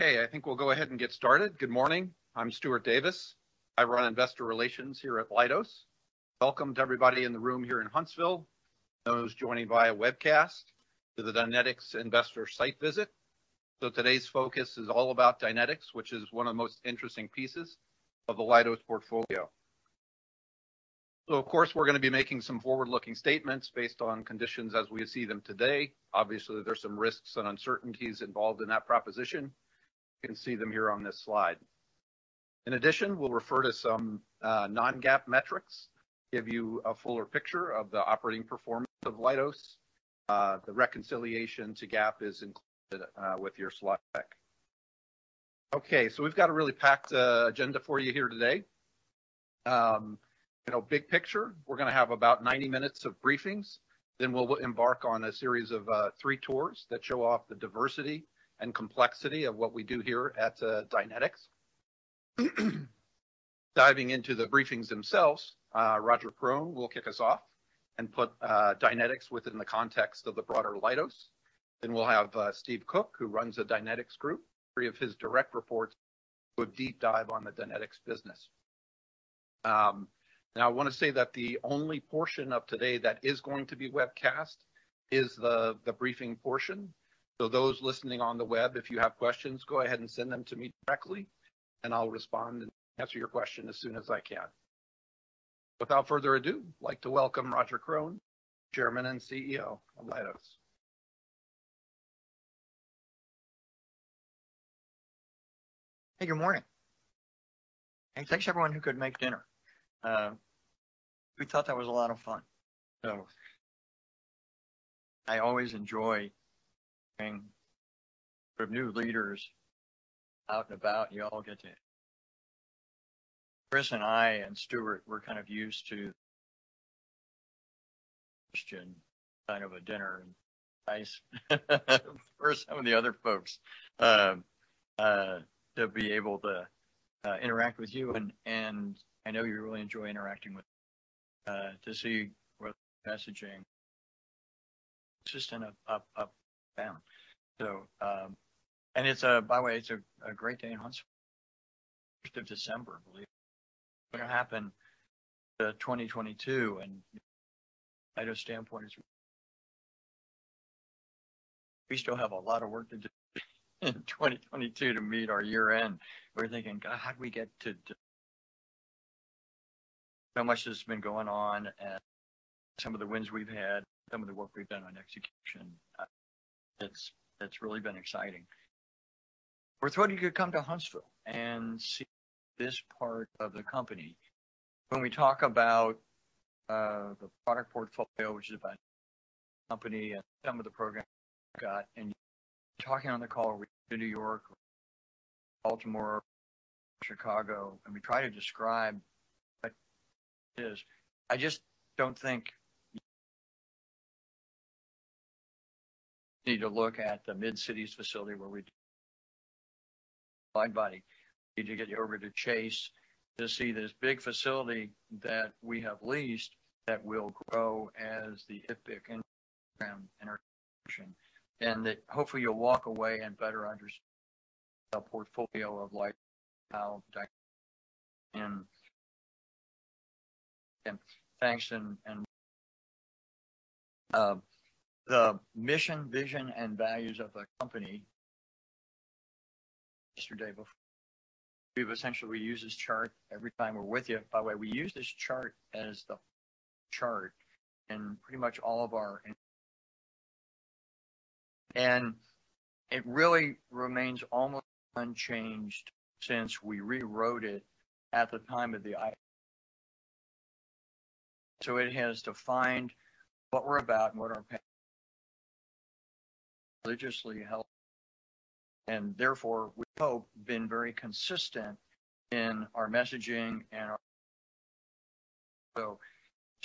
I think we'll go ahead and get started. Good morning. I'm Stuart Davis. I run Investor Relations here at Leidos. Welcome to everybody in the room here in Huntsville, those joining via webcast to the Dynetics Investor Site Visit. Today's focus is all about Dynetics, which is one of the most interesting pieces of the Leidos portfolio. Of course, we're gonna be making some forward-looking statements based on conditions as we see them today. Obviously, there's some risks and uncertainties involved in that proposition. You can see them here on this slide. In addition, we'll refer to some non-GAAP metrics, give you a fuller picture of the operating performance of Leidos. The reconciliation to GAAP is included with your slide deck. We've got a really packed agenda for you here today. You know, big picture, we're gonna have about 90 minutes of briefings, we'll embark on a series of three tours that show off the diversity and complexity of what we do here at Dynetics. Diving into the briefings themselves, Roger Krone will kick us off and put Dynetics within the context of the broader Leidos. We'll have Steve Cook, who runs the Dynetics group. Three of his direct reports will deep dive on the Dynetics business. Now I wanna say that the only portion of today that is going to be webcast is the briefing portion. Those listening on the web, if you have questions, go ahead and send them to me directly, and I'll respond and answer your question as soon as I can. Without further ado, I'd like to welcome Roger Krone, Chairman and CEO of Leidos. Hey, good morning. Thanks everyone who could make dinner. We thought that was a lot of fun. I always enjoy being with new leaders out and about. Chris and I and Stuart, we're kind of used to question kind of a dinner and ice for some of the other folks, to be able to interact with you. I know you really enjoy interacting with to see what messaging system of them. And it's a, by the way, it's a great day in Huntsville. 1st of December, I believe. What happened to 2022? I know standpoint is we still have a lot of work to do in 2022 to meet our year-end. We're thinking, "God, we get to..." So much has been going on and some of the wins we've had, some of the work we've done on execution, it's really been exciting. We thought you could come to Huntsville and see this part of the company. When we talk about the product portfolio, which is about company and some of the programs we've got, talking on the call with New York, Baltimore, Chicago, we try to describe what it is. I just don't think you need to look at the MidCity's facility where we fine body. Need to get you over to Chase to see this big facility that we have leased that will grow as the IFPC program expansion. That hopefully you'll walk away and better understand the portfolio of Leidos and how dynamic. Thanks and, the mission, vision, and values of the company yesterday before. We've essentially used this chart every time we're with you. By the way, we use this chart as the chart in pretty much all of our. It really remains almost unchanged since we rewrote it at the time of the I. It has defined what we're about and what our religiously help, and therefore, we hope been very consistent in our messaging and our.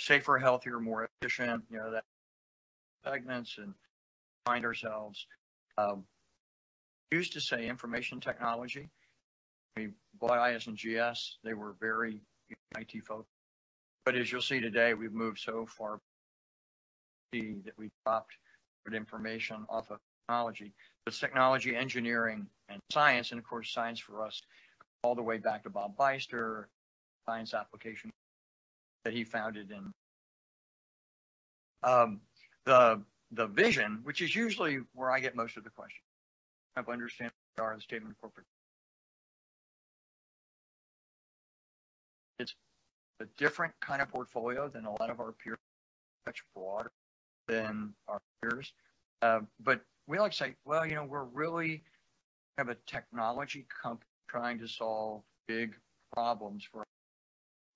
Safer, healthier, more efficient, you know, that segments and find ourselves, used to say information technology. We bought IS&GS. They were very IT folks. As you'll see today, we've moved so far that we've dropped the information off of technology. Technology, engineering, and science, and of course, science for us all the way back to Bob Beyster, Science Applications that he founded in, the vision, which is usually where I get most of the questions of understanding our statement of corporate. It's a different kind of portfolio than a lot of our peers, much broader than our peers. We like to say, well, you know, we're really have a technology company trying to solve big problems for,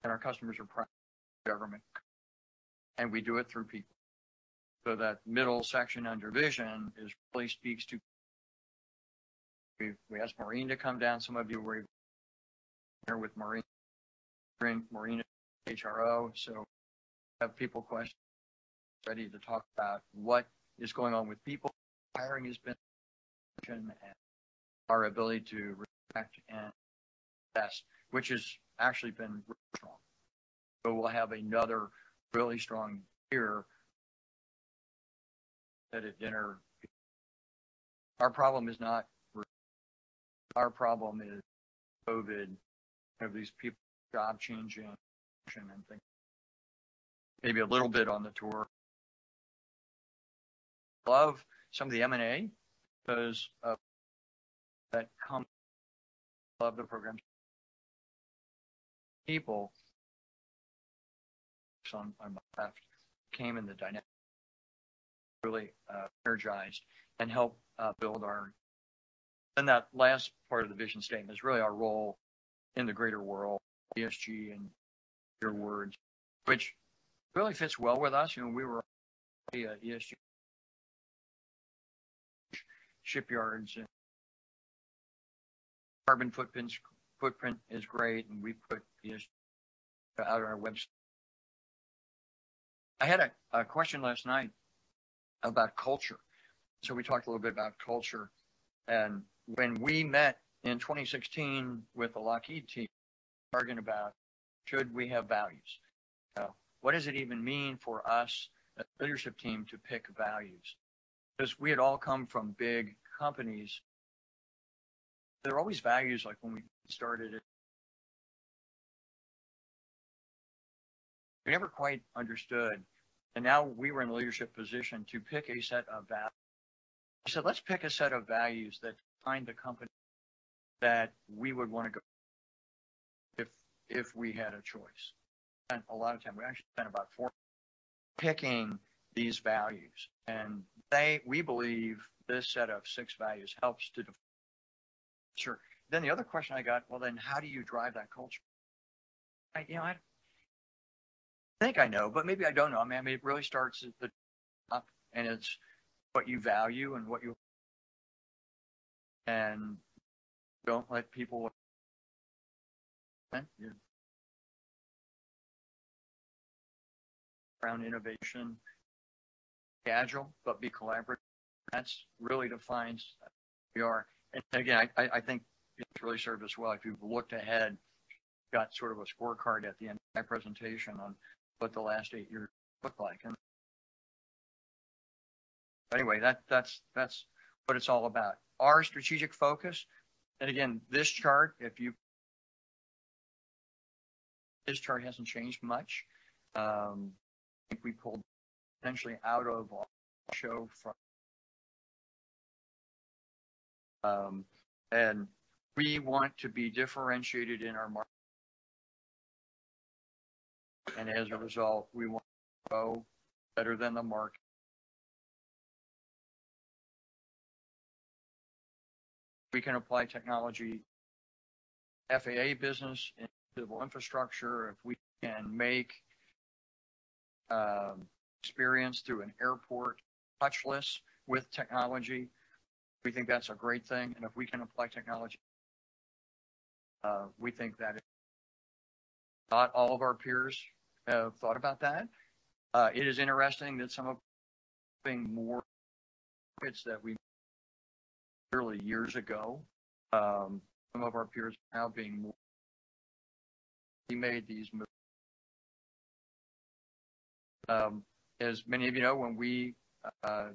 and our customers are government, and we do it through people. That middle section under vision is really speaks to. We asked Maureen to come down. Some of you were here with Maureen. Maureen HRO, have people questions ready to talk about what is going on with people. Hiring has been our ability to respect and test, which has actually been really strong. We'll have another really strong year. Said at dinner. Our problem is not... Our problem is COVID, have these people job changing and things. Maybe a little bit on the tour. Love some of the M&A because of that. Love the program. People on my left came in the Dynetics really energized and helped build our... That last part of the vision statement is really our role in the greater world, ESG, in your words, which really fits well with us. You know, we were be a ESG. Shipyards and carbon footprints, footprint is great, and we put ESG out on our website. I had a question last night about culture, we talked a little bit about culture. When we met in 2016 with the Lockheed team, arguing about should we have values? What does it even mean for us, a leadership team, to pick values? 'Cause we had all come from big companies. There are always values like when we started it. We never quite understood, and now we were in a leadership position to pick a set of values. Let's pick a set of values that define the company that we would wanna go if we had a choice. Spent a lot of time. We actually spent about four picking these values, and they, we believe this set of six values helps to def... Sure. The other question I got, "Well, then how do you drive that culture?" You know, I think I know, but maybe I don't know. I mean, it really starts at the top, and it's what you value and what you... Don't let people with... Around innovation, agile, but be collaborative. That's really defines who we are. Again, I think it's really served us well. If you've looked ahead, got sort of a scorecard at the end of my presentation on what the last eight years looked like. Anyway, that's what it's all about. Our strategic focus, again, this chart hasn't changed much. I think we pulled potentially out of show from, we want to be differentiated in our market. As a result, we want to grow better than the market. We can apply technology, FAA business, and Civil infrastructure. If we can make experience through an airport touchless with technology, we think that's a great thing. If we can apply technology, we think that not all of our peers have thought about that. It is interesting that some of being more bits that we built years ago, some of our peers now We made these moves. As many of you know, when we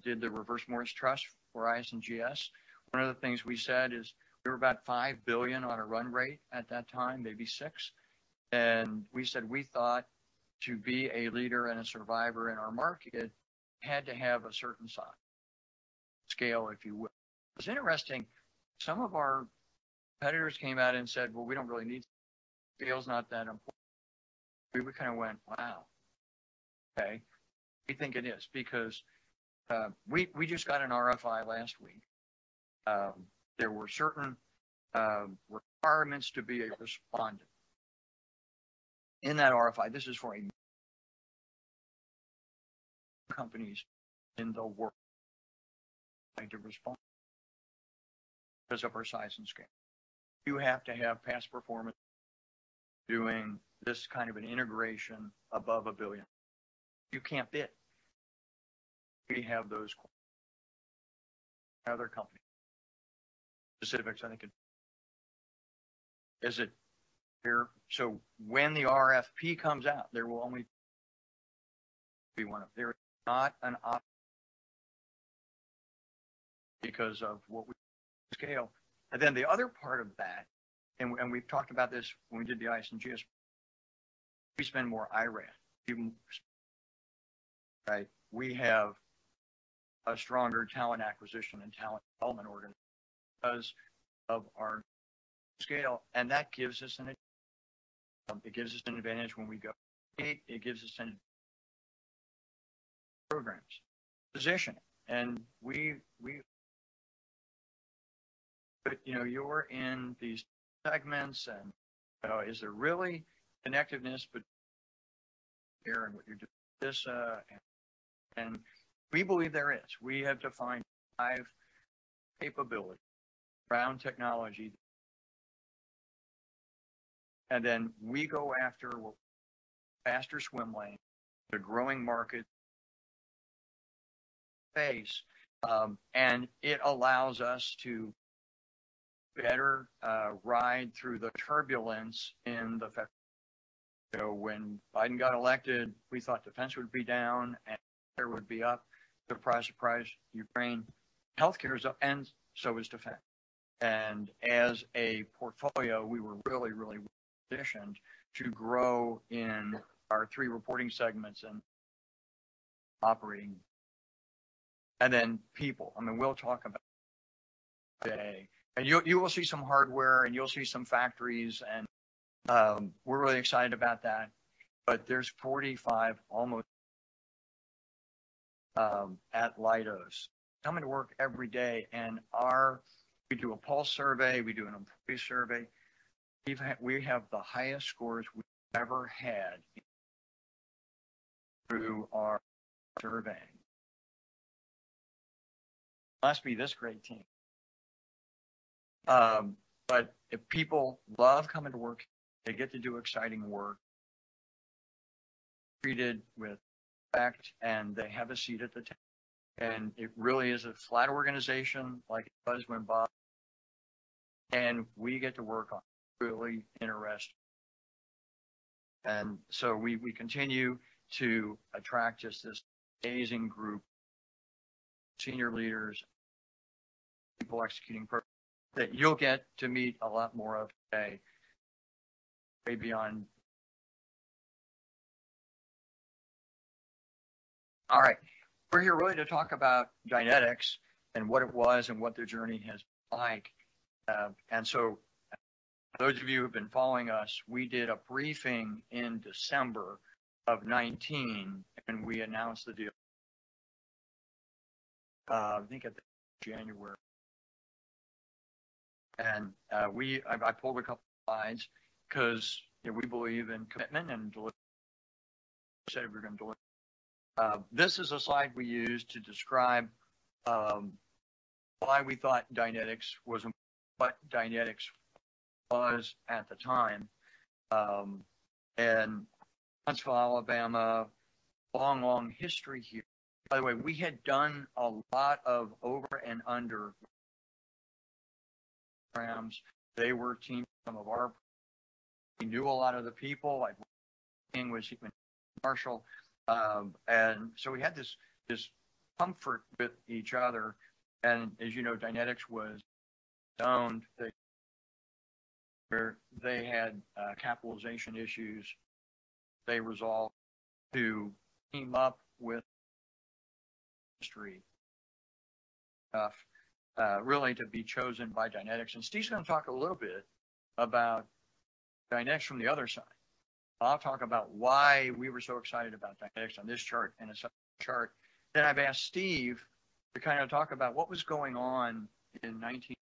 did the Reverse Morris Trust for IS&GS, one of the things we said is we were about $5 billion on a run rate at that time, maybe $6. We said we thought to be a leader and a survivor in our market had to have a certain size, scale, if you will. It was interesting, some of our competitors came out and said, "Well, we don't really need it. Scale's not that important." We kind of went, "Wow. Okay. We think it is." Because we just got an RFI last week. There were certain requirements to be a respondent. In that RFI, this is for a companies in the world to respond 'cause of our size and scale. You have to have past performance doing this kind of an integration above $1 billion. You can't bid. We have those other companies. Specifics, I think... Is it here? When the RFP comes out, there will only be There is not an opt because of what we scale. The other part of that, and we've talked about this when we did the IS&GS, we spend more IRAD. Right? We have a stronger talent acquisition and talent development organization because of our scale, and that gives us an advantage when we go. It gives us an programs, position, and we... You know, you're in these segments, is there really connectedness between here and what you're doing with this, and we believe there is. We have defined five capabilities around technology. We go after faster swim lane, the growing market phase, and it allows us to better ride through the turbulence in the fed. When Biden got elected, we thought defense would be down and there would be up. Surprise, surprise, Ukraine. Healthcare is up, and so is defense. As a portfolio, we were really positioned to grow in our three reporting segments and operating. People, I mean, we'll talk about today. You will see some hardware, and you'll see some factories, and we're really excited about that. There's 45 almost, at Leidos coming to work every day. We do a pulse survey, we do an employee survey. We have the highest scores we've ever had through our surveying. Must be this great team. But people love coming to work. They get to do exciting work, treated with respect, and they have a seat at the table. It really is a flat organization like it was when Bob... We get to work on really interesting. We continue to attract just this amazing group, senior leaders, people executing programs that you'll get to meet a lot more of today. Way beyond. All right. We're here really to talk about Dynetics and what it was and what their journey has been like. Those of you who've been following us, we did a briefing in December of 2019, we announced the deal, I think at the January. I pulled a couple slides because, you know, we believe in commitment and delivery. We said we're gonna deliver. This is a slide we use to describe why we thought Dynetics was, what Dynetics was at the time. Huntsville, Alabama, long history here. By the way, we had done a lot of over and under programs. They were a team of some of our. We knew a lot of the people, like King was even Marshall. We had this comfort with each other. As you know, Dynetics was owned. They had capitalization issues. They resolved to team up with history, really to be chosen by Dynetics. Steve's gonna talk a little bit about Dynetics from the other side. I'll talk about why we were so excited about Dynetics on this chart, and it's a chart that I've asked Steve to kind of talk about what was going on in 19...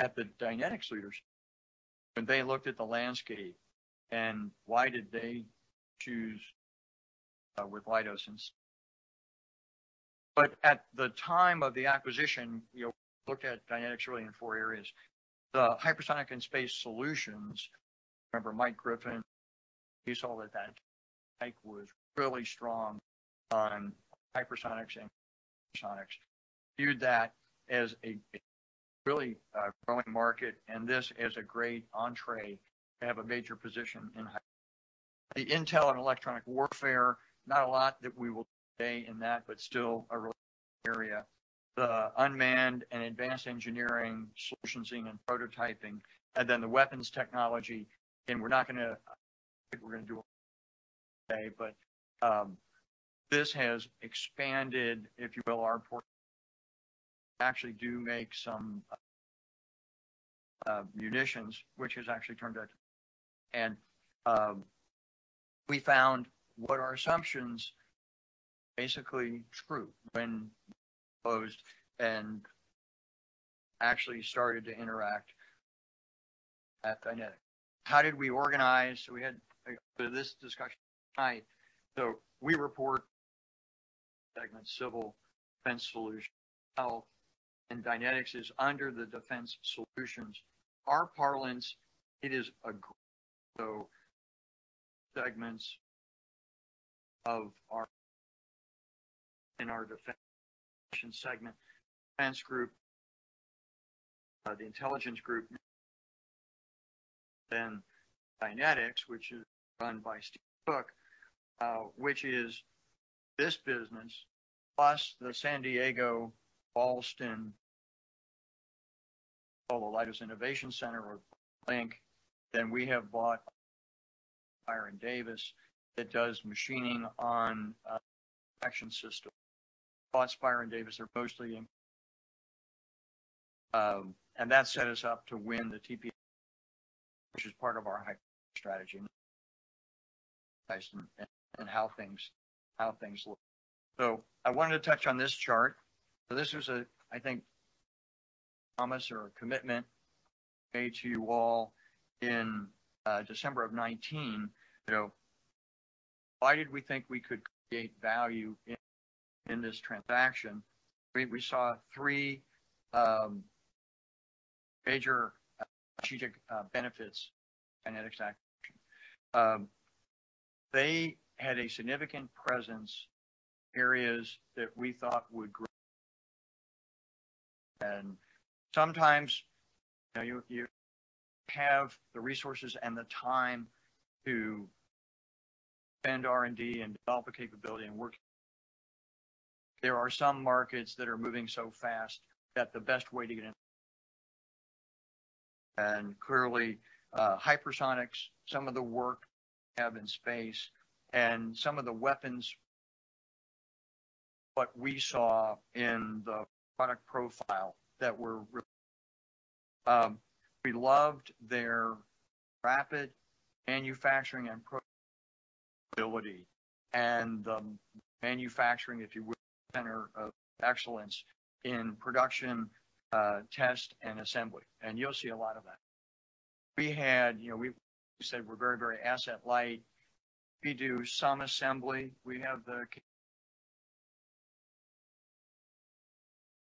At the Dynetics leadership when they looked at the landscape, and why did they choose with Leidos. At the time of the acquisition, you know, looked at Dynetics really in four areas. The hypersonic and space solutions. Remember Mike Griffin, he saw that was really strong on hypersonics and sonics. Viewed that as a really growing market, and this is a great entree to have a major position in. The intel and electronic warfare, not a lot that we will say in that, but still a really area. The unmanned and advanced engineering, solutioning, and prototyping, and then the weapons technology. This has expanded, if you will, our portfolio. Actually do make some munitions, which has actually turned out. We found what our assumptions basically true when closed and actually started to interact at Dynetics. How did we organize? We had this discussion tonight. We report segment Civil Defense Solutions, Health, and Dynetics is under the Defense Solutions. Our parlance, it is a segments of our, in our defense segment, Defense Group, the intelligence group, then Dynetics, which is run by Steve Cook, which is this business, plus the San Diego, Ballston, Leidos Innovations Center or LInC. We have bought Spire and Davis that does machining on action system. Cox, Spire and Davis, they're mostly in. That set us up to win the TP, which is part of our high strategy and how things look. I wanted to touch on this chart. This was a, I think, promise or a commitment made to you all in December of 2019. You know, why did we think we could create value in this transaction? We saw three major strategic benefits, Dynetics acquisition. They had a significant presence areas that we thought would grow. Sometimes, you know, you have the resources and the time to spend R&D and develop a capability and work. There are some markets that are moving so fast that the best way to get in. Clearly, hypersonics, some of the work we have in space and some of the weapons. What we saw in the product profile that were really. We loved their rapid manufacturing and pro ability and the manufacturing, if you will, center of excellence in production, test and assembly, and you'll see a lot of that. We had, you know, we said we're very, very asset light. We do some assembly.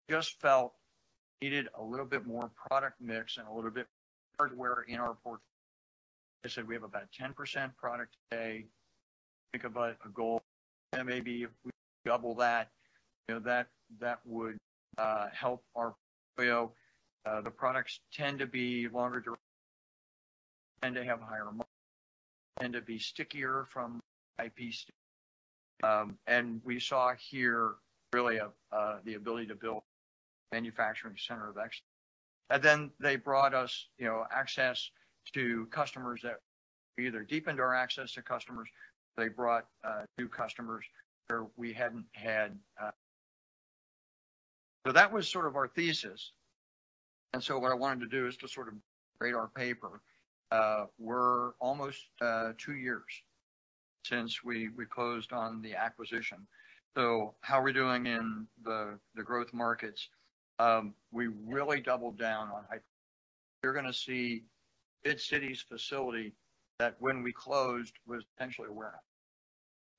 Just felt needed a little bit more product mix and a little bit hardware in our portfolio. I said, we have about 10% product today. Think about a goal, maybe if we double that, you know, that would help our portfolio. The products tend to have higher margin, tend to be stickier from an IP standpoint. We saw here really the ability to build manufacturing center of excellence. They brought us, you know, access to customers that either deepened our access to customers, they brought new customers where we hadn't had. That was sort of our thesis. What I wanted to do is to sort of grade our paper. We're almost two years since we closed on the acquisition. How are we doing in the growth markets? We really doubled down on hyper. You're gonna see MidCity's facility that when we closed was potentially where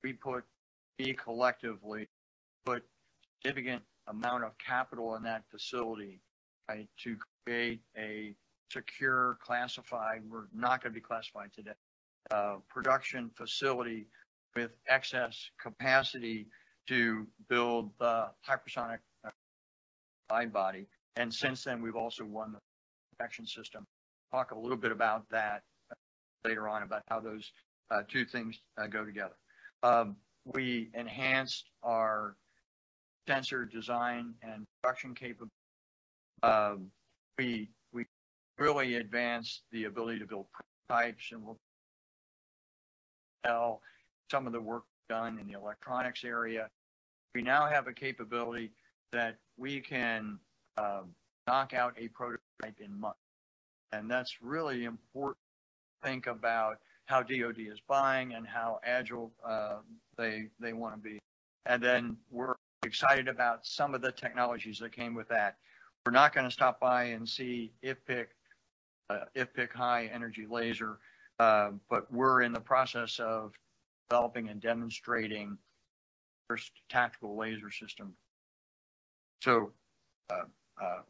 we collectively put significant amount of capital in that facility, right, to create a secure, classified, we're not gonna be classified today, production facility with excess capacity to build the Hypersonic Glide Body. Since then, we've also won the action system. Talk a little bit about that later on about how those two things go together. We enhanced our sensor design and production capability. We really advanced the ability to build prototypes, and we'll tell some of the work done in the electronics area. We now have a capability that we can knock out a prototype in months, and that's really important to think about how DoD is buying and how agile they wanna be. Then we're excited about some of the technologies that came with that. We're not gonna stop by and see if pick High energy laser, but we're in the process of developing and demonstrating first tactical laser system.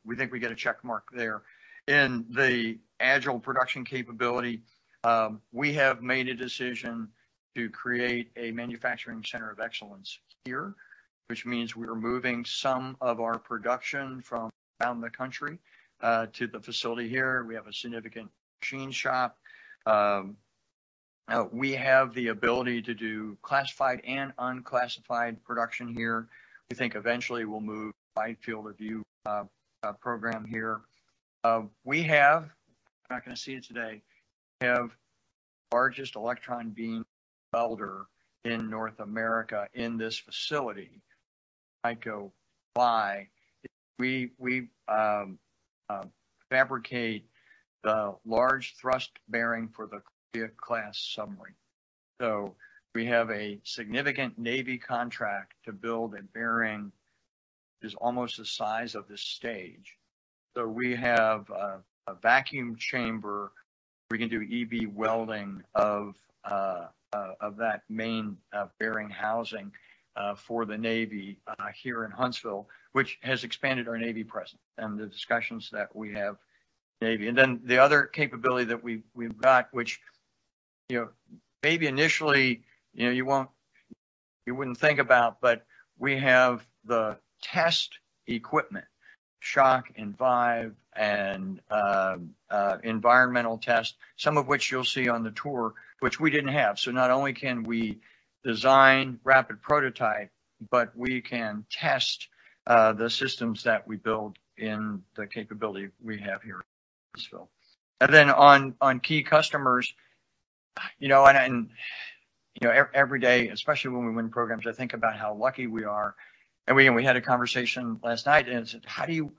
We think we get a check mark there. In the agile production capability, we have made a decision to create a manufacturing center of excellence here, which means we're moving some of our production from around the country to the facility here. We have a significant machine shop. We have the ability to do classified and unclassified production here. We think eventually we'll move Wide Field of View program here. We have, not gonna see it today, largest electron beam welder in North America in this facility. I go by, we fabricate the large thrust bearing for the class submarine. We have a significant Navy contract to build a bearing is almost the size of this stage. We have a vacuum chamber. We can do EV welding of that main bearing housing for the Navy here in Huntsville, which has expanded our Navy presence and the discussions that we have Navy. The other capability that we've got, which, you know, maybe initially, you know, you won't, you wouldn't think about, but we have the test equipment, shock and vibe and environmental test, some of which you'll see on the tour, which we didn't have. Not only can we design rapid prototype, but we can test the systems that we build in the capability we have here in Huntsville. On key customers, you know, and every day, especially when we win programs, I think about how lucky we are. We had a conversation last night and said, "How do you,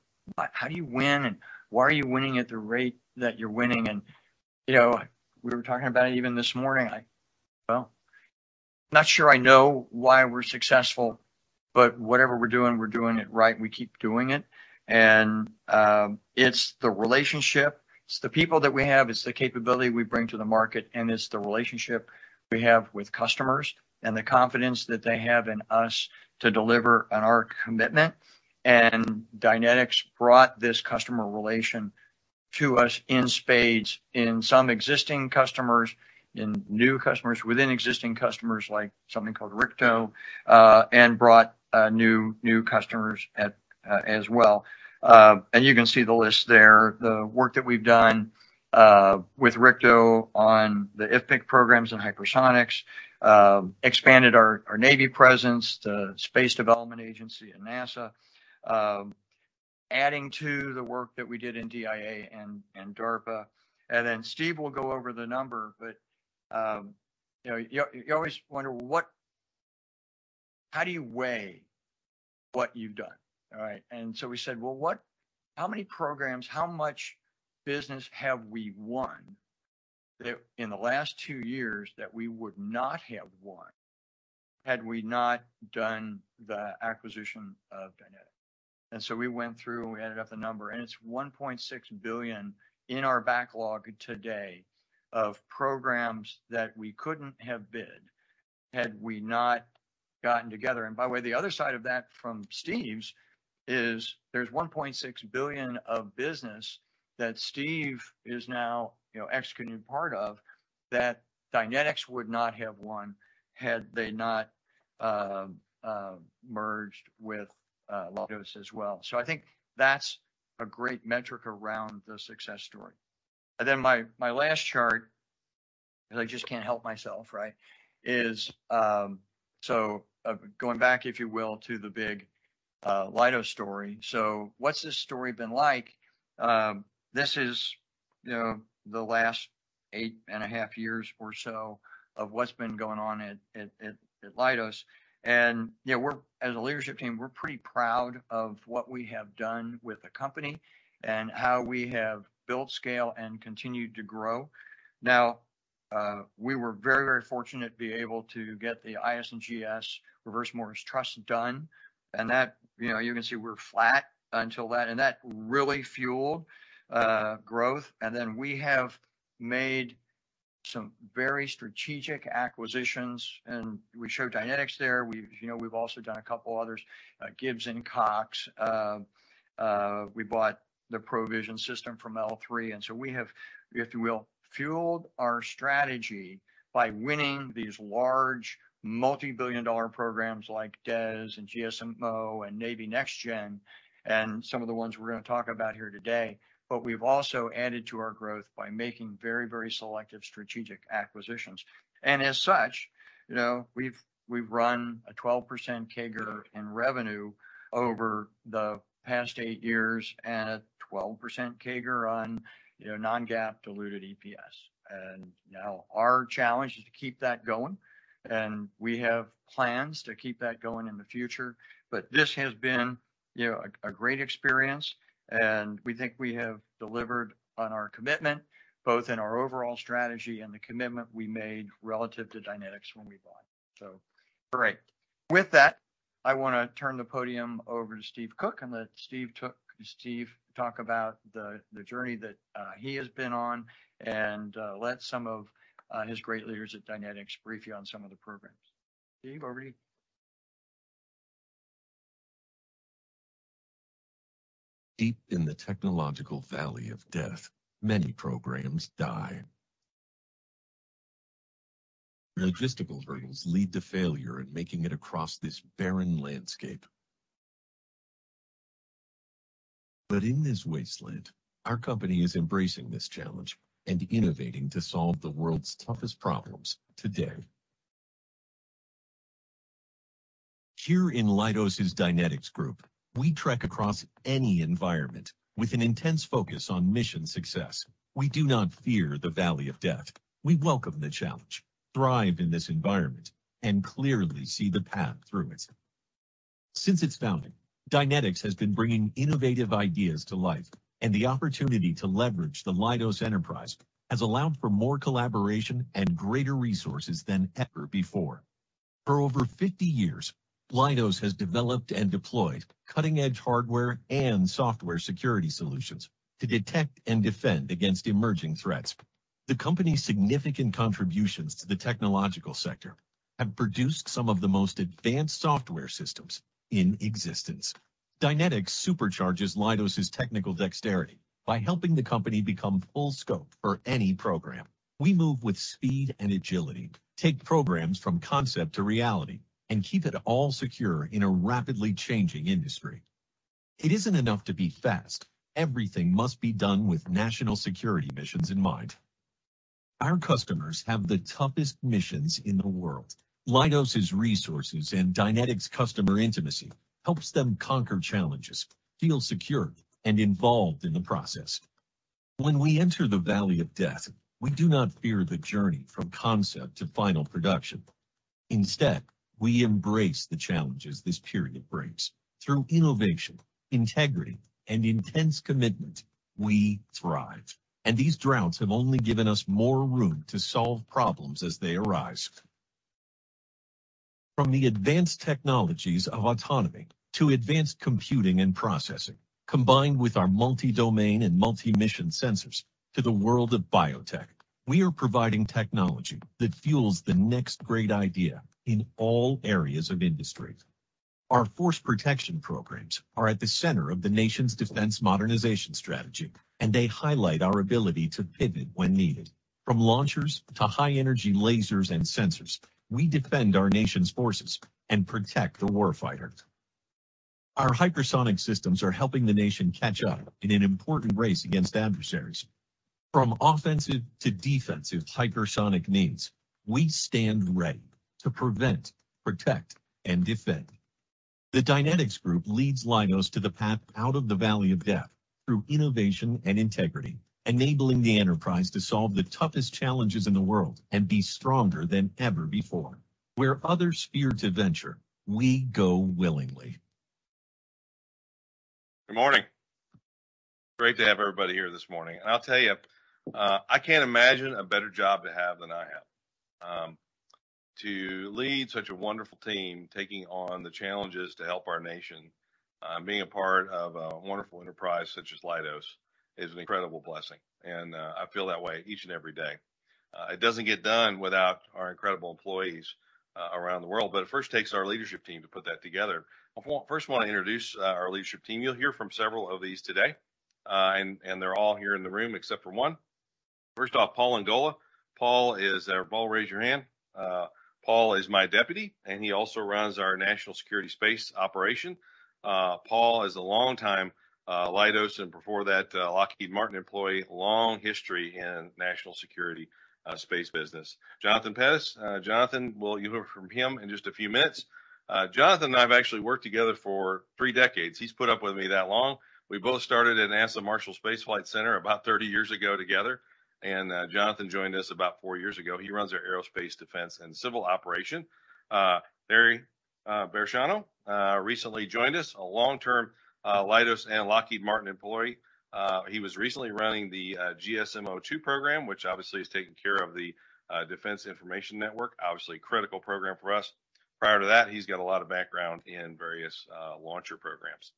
how do you win, and why are you winning at the rate that you're winning?" You know, we were talking about it even this morning. Well, not sure I know why we're successful, but whatever we're doing, we're doing it right, and we keep doing it. It's the relationship, it's the people that we have, it's the capability we bring to the market, and it's the relationship we have with customers and the confidence that they have in us to deliver on our commitment. Dynetics brought this customer relation to us in spades, in some existing customers, in new customers, within existing customers, like something called RCCTO, and brought new customers as well. You can see the list there. The work that we've done with RCCTO on the IFPC programs and hypersonics expanded our Navy presence, the Space Development Agency at NASA, adding to the work that we did in DIA and DARPA. Steve will go over the number, but, you know, you always wonder how do you weigh what you've done, all right? We said, "Well, how many programs, how much business have we won that in the last two years that we would not have won had we not done the acquisition of Dynetics?" We went through and we added up the number, and it's $1.6 billion in our backlog today of programs that we couldn't have bid had we not gotten together. By the way, the other side of that from Steve's is there's $1.6 billion of business that Steve is now, you know, executing part of that Dynetics would not have won had they not merged with Leidos as well. I think that's a great metric around the success story. Then my last chart, and I just can't help myself, right, is going back, if you will, to the big Leidos story. What's this story been like? This is, you know, the last 8.5 years or so of what's been going on at Leidos. You know, we're, as a leadership team, we're pretty proud of what we have done with the company and how we have built scale and continued to grow. We were very, very fortunate to be able to get the IS&GS reverse Morris Trust done, and that, you know, you can see we're flat until that, and that really fueled growth. We have made some very strategic acquisitions, and we showed Dynetics there. We've, you know, we've also done a couple others, Gibbs & Cox. We bought the provision system from L3. We have, if you will, fueled our strategy by winning these large multi-billion dollar programs like DES and GSM-O and Navy Next Gen, and some of the ones we're gonna talk about here today. We've also added to our growth by making very, very selective strategic acquisitions. As such, you know, we've run a 12% CAGR in revenue over the past eight years and a 12% CAGR on, you know, non-GAAP diluted EPS. Now our challenge is to keep that going, and we have plans to keep that going in the future. This has been, you know, a great experience, and we think we have delivered on our commitment, both in our overall strategy and the commitment we made relative to Dynetics when we bought. All right. With that, I wanna turn the podium over to Steve Cook and let Steve talk about the journey that he has been on and let some of his great leaders at Dynetics brief you on some of the programs. Steve, over to you. Deep in the technological valley of death, many programs die. Logistical hurdles lead to failure in making it across this barren landscape. In this wasteland, our company is embracing this challenge and innovating to solve the world's toughest problems today. Here in Leidos' Dynetics Group, we trek across any environment with an intense focus on mission success. We do not fear the valley of death. We welcome the challenge, thrive in this environment, and clearly see the path through it. Since its founding, Dynetics has been bringing innovative ideas to life, and the opportunity to leverage the Leidos enterprise has allowed for more collaboration and greater resources than ever before. For over 50 years, Leidos has developed and deployed cutting-edge hardware and software security solutions to detect and defend against emerging threats. The company's significant contributions to the technological sector have produced some of the most advanced software systems in existence. Dynetics supercharges Leidos' technical dexterity by helping the company become full scope for any program. We move with speed and agility, take programs from concept to reality, and keep it all secure in a rapidly changing industry. It isn't enough to be fast. Everything must be done with national security missions in mind. Our customers have the toughest missions in the world. Leidos' resources and Dynetics customer intimacy helps them conquer challenges, feel secure, and involved in the process. When we enter the Valley of Death, we do not fear the journey from concept to final production. Instead, we embrace the challenges this period brings. Through innovation, integrity, and intense commitment, we thrive, and these droughts have only given us more room to solve problems as they arise. From the advanced technologies of autonomy to advanced computing and processing, combined with our multi-domain and multi-mission sensors to the world of biotech, we are providing technology that fuels the next great idea in all areas of industries. Our force protection programs are at the center of the nation's defense modernization strategy. They highlight our ability to pivot when needed. From launchers to high-energy lasers and sensors, we defend our nation's forces and protect the warfighter. Our hypersonic systems are helping the nation catch up in an important race against adversaries. From offensive to defensive hypersonic needs, we stand ready to prevent, protect, and defend. The Dynetics Group leads Leidos to the path out of the Valley of Death through innovation and integrity, enabling the enterprise to solve the toughest challenges in the world and be stronger than ever before. Where others fear to venture, we go willingly. Good morning. Great to have everybody here this morning. I'll tell you, I can't imagine a better job to have than I have. To lead such a wonderful team, taking on the challenges to help our nation, being a part of a wonderful enterprise such as Leidos is an incredible blessing, and I feel that way each and every day. It doesn't get done without our incredible employees around the world, but it first takes our leadership team to put that together. I first wanna introduce our leadership team. You'll hear from several of these today, and they're all here in the room except for one. First off, Paul Engola. Paul, raise your hand. Paul is my Deputy, and he also runs our National Security Space operation. Paul is a long time, Leidos, and before that, Lockheed Martin employee, long history in National Security Space business. Jonathan Pettus. Jonathan, well, you'll hear from him in just a few minutes. Jonathan and I have actually worked together for three decades. He's put up with me that long. We both started at Marshall Space Flight Center about 30 years ago together, and Jonathan joined us about four years ago. He runs our Aerospace Defense and Civil operation. Larry Barisciano recently joined us, a long-term Leidos and Lockheed Martin employee. He was recently running the GSM-O II program, which obviously is taking care of the Defense Information Network, obviously critical program for us. Prior to that, he's got a lot of background in various launcher programs.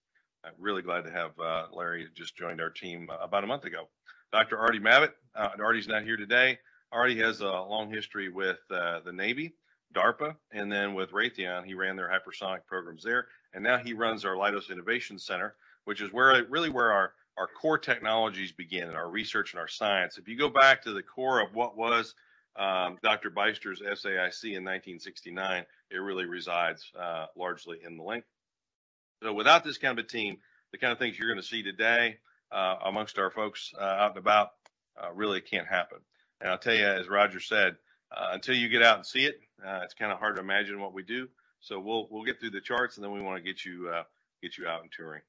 I'm really glad to have Larry just joined our team about a month ago. Dr. Artie Mabbett. Artie's not here today. Artie has a long history with the Navy, DARPA, and then with Raytheon. Now he runs our Leidos Innovations Center, really where our core technologies begin, and our research and our science. If you go back to the core of what was Dr. Beyster's SAIC in 1969, it really resides largely in the LInC. Without this kind of a team, the kind of things you're gonna see today, amongst our folks, out and about, really can't happen. I'll tell you, as Roger said, until you get out and see it's kinda hard to imagine what we do. We'll get through the charts, and then we wanna get you out and touring.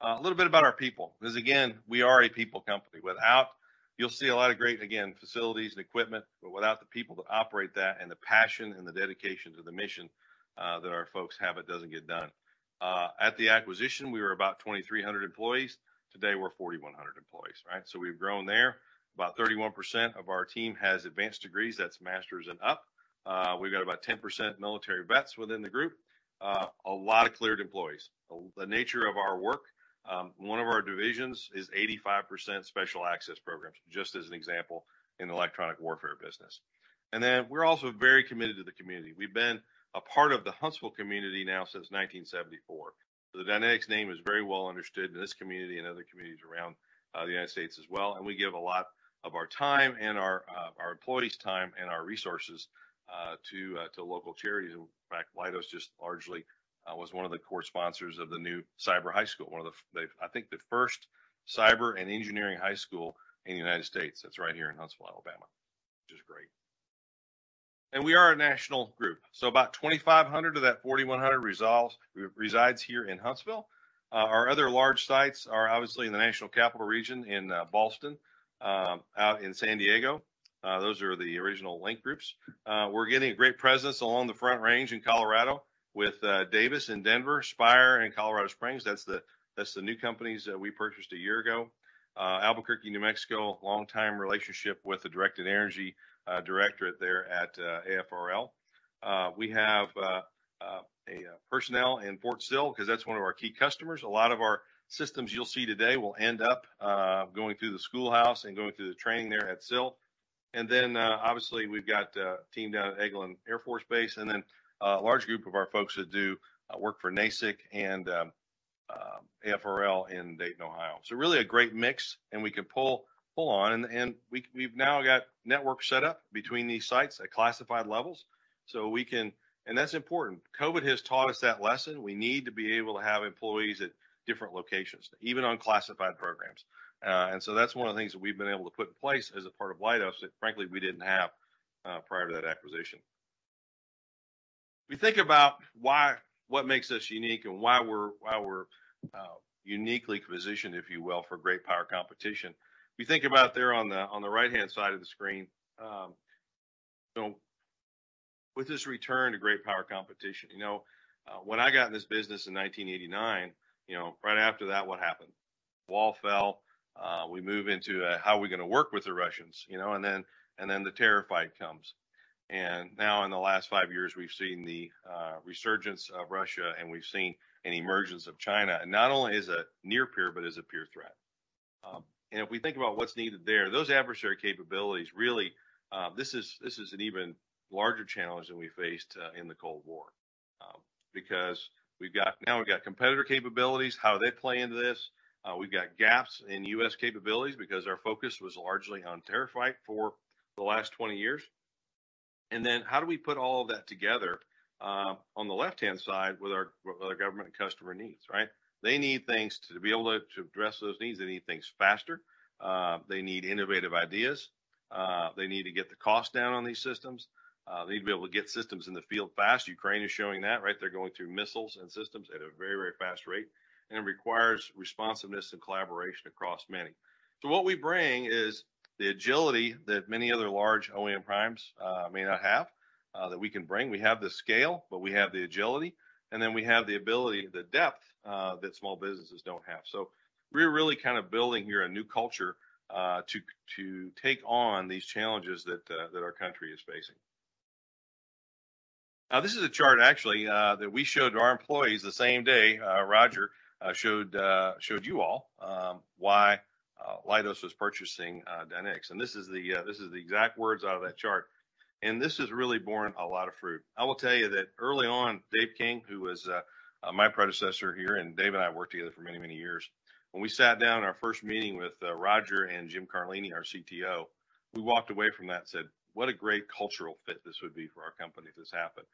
A little bit about our people. 'Cause again, we are a people company. Without. You'll see a lot of great, again, facilities and equipment, but without the people to operate that and the passion and the dedication to the mission that our folks have, it doesn't get done. At the acquisition, we were about 2,300 employees. Today, we're 4,100 employees, right? We've grown there. About 31% of our team has advanced degrees. That's master's and up. We've got about 10% military vets within the group. A lot of cleared employees. The nature of our work, one of our divisions is 85% special access programs, just as an example, in electronic warfare business. We're also very committed to the community. We've been a part of the Huntsville community now since 1974. The Dynetics name is very well understood in this community and other communities around the United States as well, and we give a lot of our time and our employees' time and our resources to local charities. In fact, Leidos just largely was one of the core sponsors of the new cyber high school, I think the first cyber and engineering high school in the United States. That's right here in Huntsville, Alabama, which is great. We are a national group. About 2,500 of that 4,100 resides here in Huntsville. Our other large sites are obviously in the national capital region in Ballston, out in San Diego. Those are the original link groups. We're getting a great presence along the Front Range in Colorado with Davis and Denver, Spire and Colorado Springs. That's the new companies that we purchased a year ago. Albuquerque, New Mexico, longtime relationship with the Directed Energy Directorate there at AFRL. We have personnel in Fort Sill, 'cause that's one of our key customers. A lot of our systems you'll see today will end up going through the schoolhouse and going through the training there at Sill. Obviously, we've got a team down at Eglin Air Force Base, and then a large group of our folks that do work for NASIC and AFRL in Dayton, Ohio. Really a great mix, and we can pull on. We've now got networks set up between these sites at classified levels, so we can. That's important. COVID has taught us that lesson. We need to be able to have employees at different locations, even on classified programs. That's one of the things that we've been able to put in place as a part of Leidos that frankly we didn't have prior to that acquisition. We think about what makes us unique and why we're uniquely positioned, if you will, for great power competition. We think about there on the, on the right-hand side of the screen. With this return to great power competition, you know, when I got in this business in 1989, you know, right after that, what happened? Wall fell. We move into, how are we gonna work with the Russians, you know? Then the terror fight comes. Now in the last five years, we've seen the resurgence of Russia, and we've seen an emergence of China, and not only as a near peer, but as a peer threat. If we think about what's needed there, those adversary capabilities, really, this is an even larger challenge than we faced in the Cold War, because now we've got competitor capabilities, how they play into this. We've got gaps in U.S. capabilities because our focus was largely on terror fight for the last 20 years. Then how do we put all of that together on the left-hand side with our, with our government customer needs, right? They need things to be able to address those needs. They need things faster. They need innovative ideas. They need to get the cost down on these systems. They need to be able to get systems in the field fast. Ukraine is showing that, right? They're going through missiles and systems at a very, very fast rate. It requires responsiveness and collaboration across many. What we bring is the agility that many other large OEM primes may not have that we can bring. We have the scale, but we have the agility, and then we have the ability, the depth that small businesses don't have. We're really kind of building here a new culture to take on these challenges that our country is facing. Now, this is a chart actually, that we showed to our employees the same day, Roger, showed you all, why Leidos was purchasing Dynetics. This is the exact words out of that chart. This has really borne a lot of fruit. I will tell you that early on, Dave King, who was my predecessor here, and Dave and I worked together for many, many years, when we sat down our first meeting with Roger and Jim Carlini, our CTO, we walked away from that and said, "What a great cultural fit this would be for our company if this happened."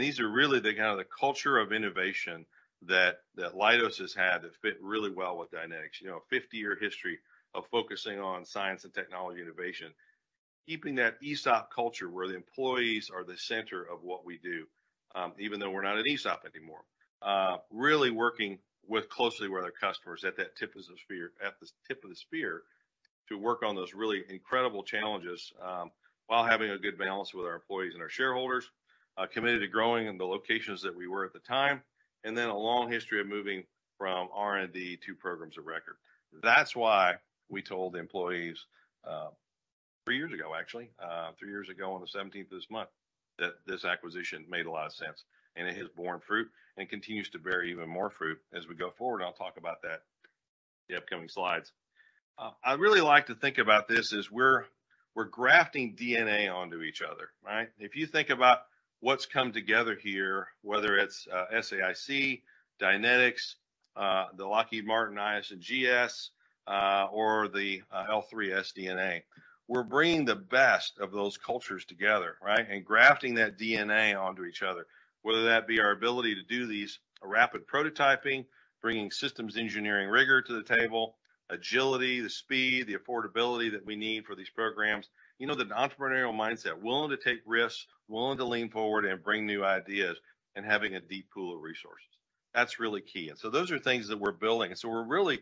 These are really the kind of the culture of innovation that Leidos has had that fit really well with Dynetics. You know, a 50-year history of focusing on science and technology innovation, keeping that ESOP culture where the employees are the center of what we do, even though we're not an ESOP anymore. Really working with closely with our customers at that tip of sphere, at the tip of the spear to work on those really incredible challenges, while having a good balance with our employees and our shareholders, committed to growing in the locations that we were at the time, a long history of moving from R&D to programs of record. That's why we told employees, three years ago, actually, three years ago on the 17th of this month, that this acquisition made a lot of sense, and it has borne fruit and continues to bear even more fruit as we go forward. I'll talk about that in the upcoming slides. I really like to think about this as we're grafting DNA onto each other, right? If you think about what's come together here, whether it's SAIC, Dynetics, the Lockheed Martin IS&GS, or the L3's DNA, we're bringing the best of those cultures together, right? Grafting that DNA onto each other, whether that be our ability to do these rapid prototyping, bringing systems engineering rigor to the table, agility, the speed, the affordability that we need for these programs. You know, that entrepreneurial mindset, willing to take risks, willing to lean forward and bring new ideas, and having a deep pool of resources. That's really key. Those are things that we're building. We're really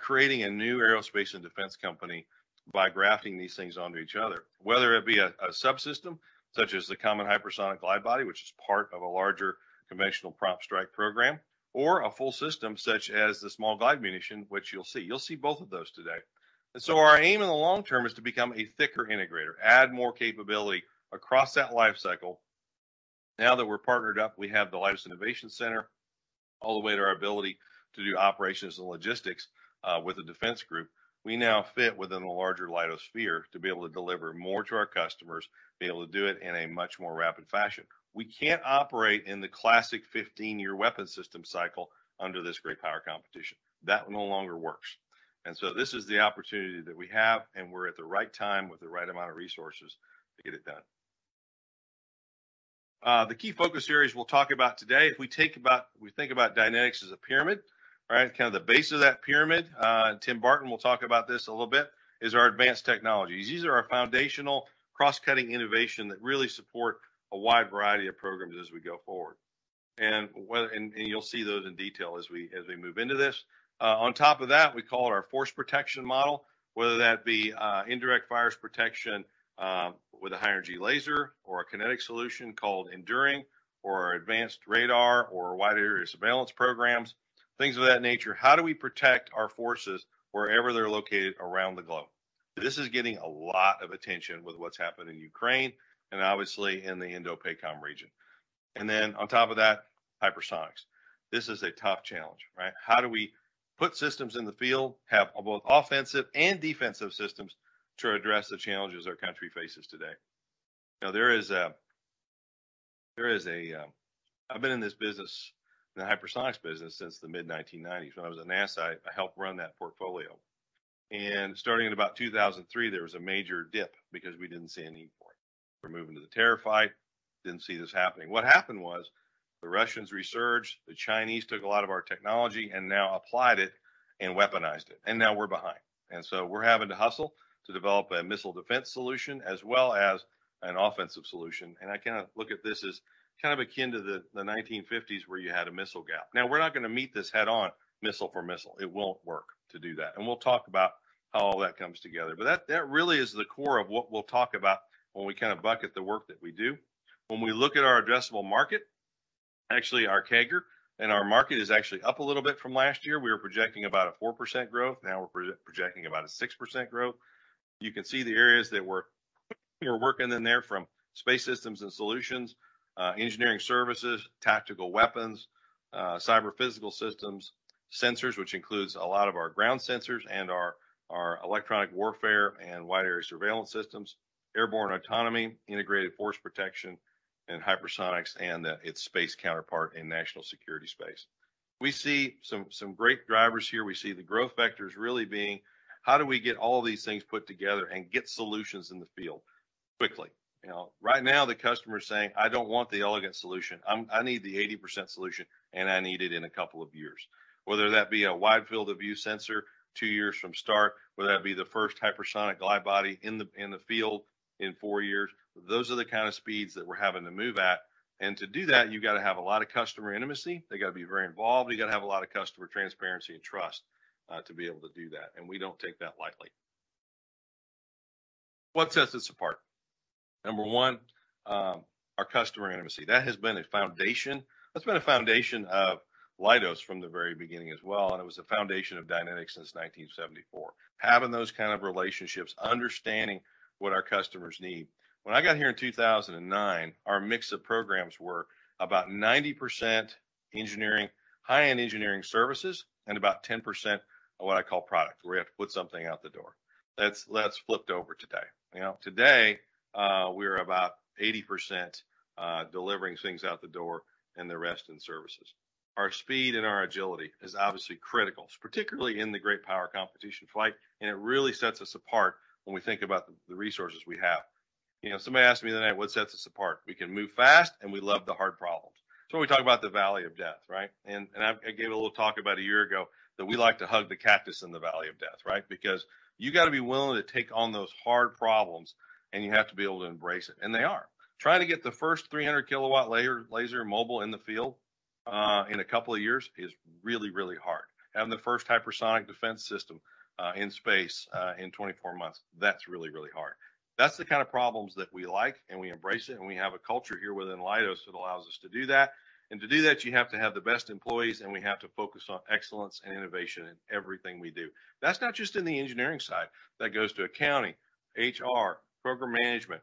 creating a new aerospace and defense company by grafting these things onto each other. Whether it be a subsystem, such as the Common-Hypersonic Glide Body, which is part of a larger Conventional Prompt Strike program, or a full system such as the Small Glide Munition, which you'll see. You'll see both of those today. Our aim in the long term is to become a thicker integrator, add more capability across that life cycle. Now that we're partnered up, we have the Leidos Innovations Center, all the way to our ability to do operations and logistics with the Defense Group. We now fit within a larger Leidos sphere to be able to deliver more to our customers, be able to do it in a much more rapid fashion. We can't operate in the classic 15-year weapon system cycle under this great power competition. That no longer works. This is the opportunity that we have, and we're at the right time with the right amount of resources to get it done. The key focus areas we'll talk about today, if we think about Dynetics as a pyramid, right? Kind of the base of that pyramid, and Tim Barton will talk about this a little bit, is our advanced technologies. These are our foundational cross-cutting innovation that really support a wide variety of programs as we go forward. You'll see those in detail as we, as we move into this. On top of that, we call it our force protection model, whether that be, indirect fires protection, with a high-energy laser or a kinetic solution called Enduring or our advanced radar or wide-area surveillance programs, things of that nature. How do we protect our forces wherever they're located around the globe? This is getting a lot of attention with what's happened in Ukraine and obviously in the INDOPACOM region. On top of that, hypersonics. This is a tough challenge, right? How do we put systems in the field, have both offensive and defensive systems to address the challenges our country faces today? You know, I've been in this business, the hypersonics business, since the mid-1990s. When I was at NASA, I helped run that portfolio. Starting in about 2003, there was a major dip because we didn't see a need for it. We're moving to the terra fight, didn't see this happening. What happened was the Russians resurged, the Chinese took a lot of our technology and now applied it and weaponized it, and now we're behind. So we're having to hustle to develop a missile defense solution as well as an offensive solution, and I kind of look at this as kind of akin to the 1950s where you had a missile gap. Now, we're not gonna meet this head-on, missile for missile. It won't work to do that. We'll talk about how all that comes together. That really is the core of what we'll talk about when we kind of bucket the work that we do. When we look at our addressable market, actually our CAGR and our market is actually up a little bit from last year. We were projecting about a 4% growth. Now we're projecting about a 6% growth. You can see the areas that we are working in there from space systems and solutions, engineering services, tactical weapons, cyber physical systems, sensors, which includes a lot of our ground sensors and our electronic warfare and wide area surveillance systems, airborne autonomy, integrated force protection and hypersonics, and its space counterpart in National Security Space. We see some great drivers here. We see the growth vectors really being, how do we get all these things put together and get solutions in the field quickly, you know. Right now, the customer is saying, "I don't want the elegant solution. I need the 80% solution, and I need it in a couple of years. Whether that be a Wide Field of View sensor two years from start, whether that be the first Hypersonic Glide Body in the field in four years, those are the kind of speeds that we're having to move at. To do that, you've gotta have a lot of customer intimacy. They gotta be very involved. You gotta have a lot of customer transparency and trust to be able to do that, and we don't take that lightly. What sets us apart? Number one, our customer intimacy. That has been a foundation. That's been a foundation of Leidos from the very beginning as well, and it was a foundation of Dynetics since 1974. Having those kind of relationships, understanding what our customers need. When I got here in 2009, our mix of programs were about 90% engineering, high-end engineering services, and about 10% of what I call product, where we have to put something out the door. That's flipped over today. You know, today, we're about 80% delivering things out the door and the rest in services. Our speed and our agility is obviously critical, particularly in the great power competition fight, and it really sets us apart when we think about the resources we have. You know, somebody asked me the other night, "What sets us apart?" We can move fast, and we love the hard problems. When we talk about the Valley of Death, right? I gave a little talk about a year ago that we like to hug the cactus in the Valley of Death, right? You gotta be willing to take on those hard problems, and you have to be able to embrace it, and they are. Trying to get the first 300 kW layer, laser mobile in the field, in a couple of years is really, really hard. Having the first hypersonic defense system in space, in 24 months, that's really, really hard. That's the kind of problems that we like, and we embrace it, and we have a culture here within Leidos that allows us to do that. To do that, you have to have the best employees, and we have to focus on excellence and innovation in everything we do. That's not just in the engineering side. That goes to accounting, HR, program management,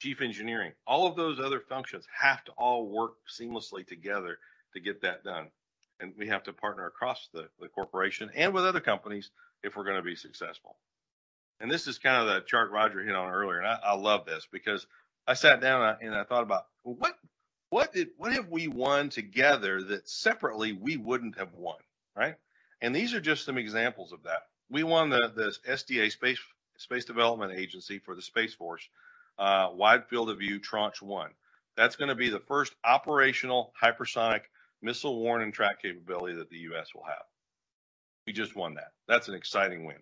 chief engineering. All of those other functions have to all work seamlessly together to get that done. We have to partner across the corporation and with other companies if we're gonna be successful. This is kind of the chart Roger hit on earlier. I love this because I sat down and I thought about, well, what have we won together that separately we wouldn't have won, right? These are just some examples of that. We won the SDA Space Development Agency for the Space Force, Wide Field of View Tranche 1. That's gonna be the first operational hypersonic missile warn and track capability that the U.S. will have. We just won that. That's an exciting win.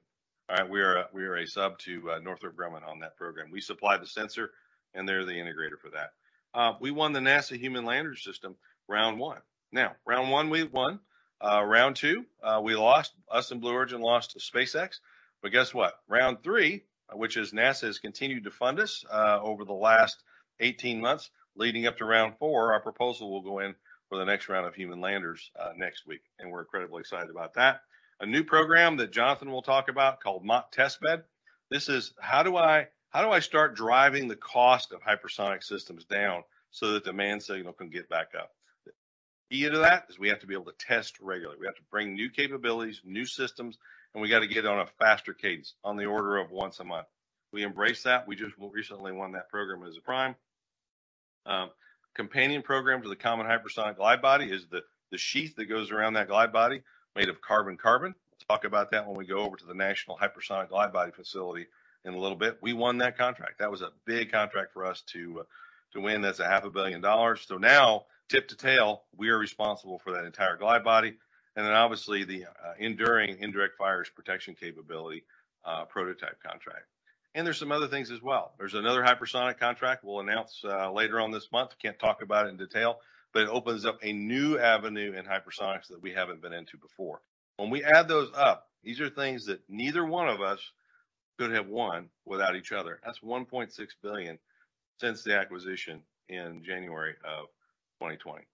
All right? We are a sub to Northrop Grumman on that program. We supply the sensor, and they're the integrator for that. We won the NASA Human Landing System round one. Now, round one, we won. Round two, we lost. Us and Blue Origin lost to SpaceX. Guess what? Round three, which is NASA has continued to fund us over the last 18 months leading up to round four. Our proposal will go in for the next round of human landers next week, and we're incredibly excited about that. A new program that Jonathan will talk about called MACH-TB. This is how do I start driving the cost of hypersonic systems down so that demand signal can get back up? The key to that is we have to be able to test regularly. We have to bring new capabilities, new systems, and we got to get on a faster cadence on the order of once a month. We embrace that. We just recently won that program as a prime. Companion program to the Common-Hypersonic Glide Body is the sheath that goes around that glide body made of carbon-carbon. Talk about that when we go over to the National Hypersonic Glide Body facility in a little bit. We won that contract. That was a big contract for us to win. That's a half a billion dollars. Now, tip to tail, we are responsible for that entire glide body. Obviously, the Enduring Indirect Fires Protection Capability prototype contract. There's some other things as well. There's another hypersonic contract we'll announce later on this month. Can't talk about it in detail, but it opens up a new avenue in hypersonics that we haven't been into before. When we add those up, these are things that neither one of us could have won without each other. That's $1.6 billion since the acquisition in January of 2020.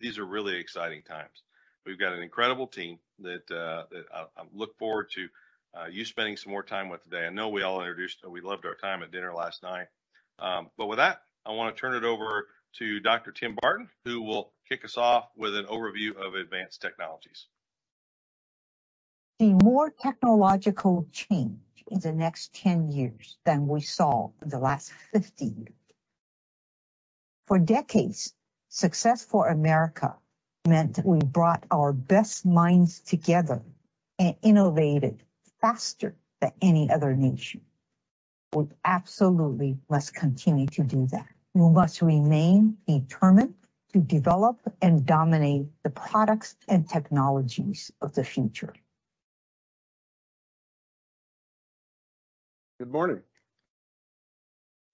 These are really exciting times. We've got an incredible team that I look forward to you spending some more time with today. I know we all introduced, and we loved our time at dinner last night. With that, I wanna turn it over to Dr. Tim Barton, who will kick us off with an overview of advanced technologies. See more technological change in the next 10 years than we saw in the last 50 years. For decades, success for America meant we brought our best minds together and innovated faster than any other nation. We absolutely must continue to do that. We must remain determined to develop and dominate the products and technologies of the future. Good morning.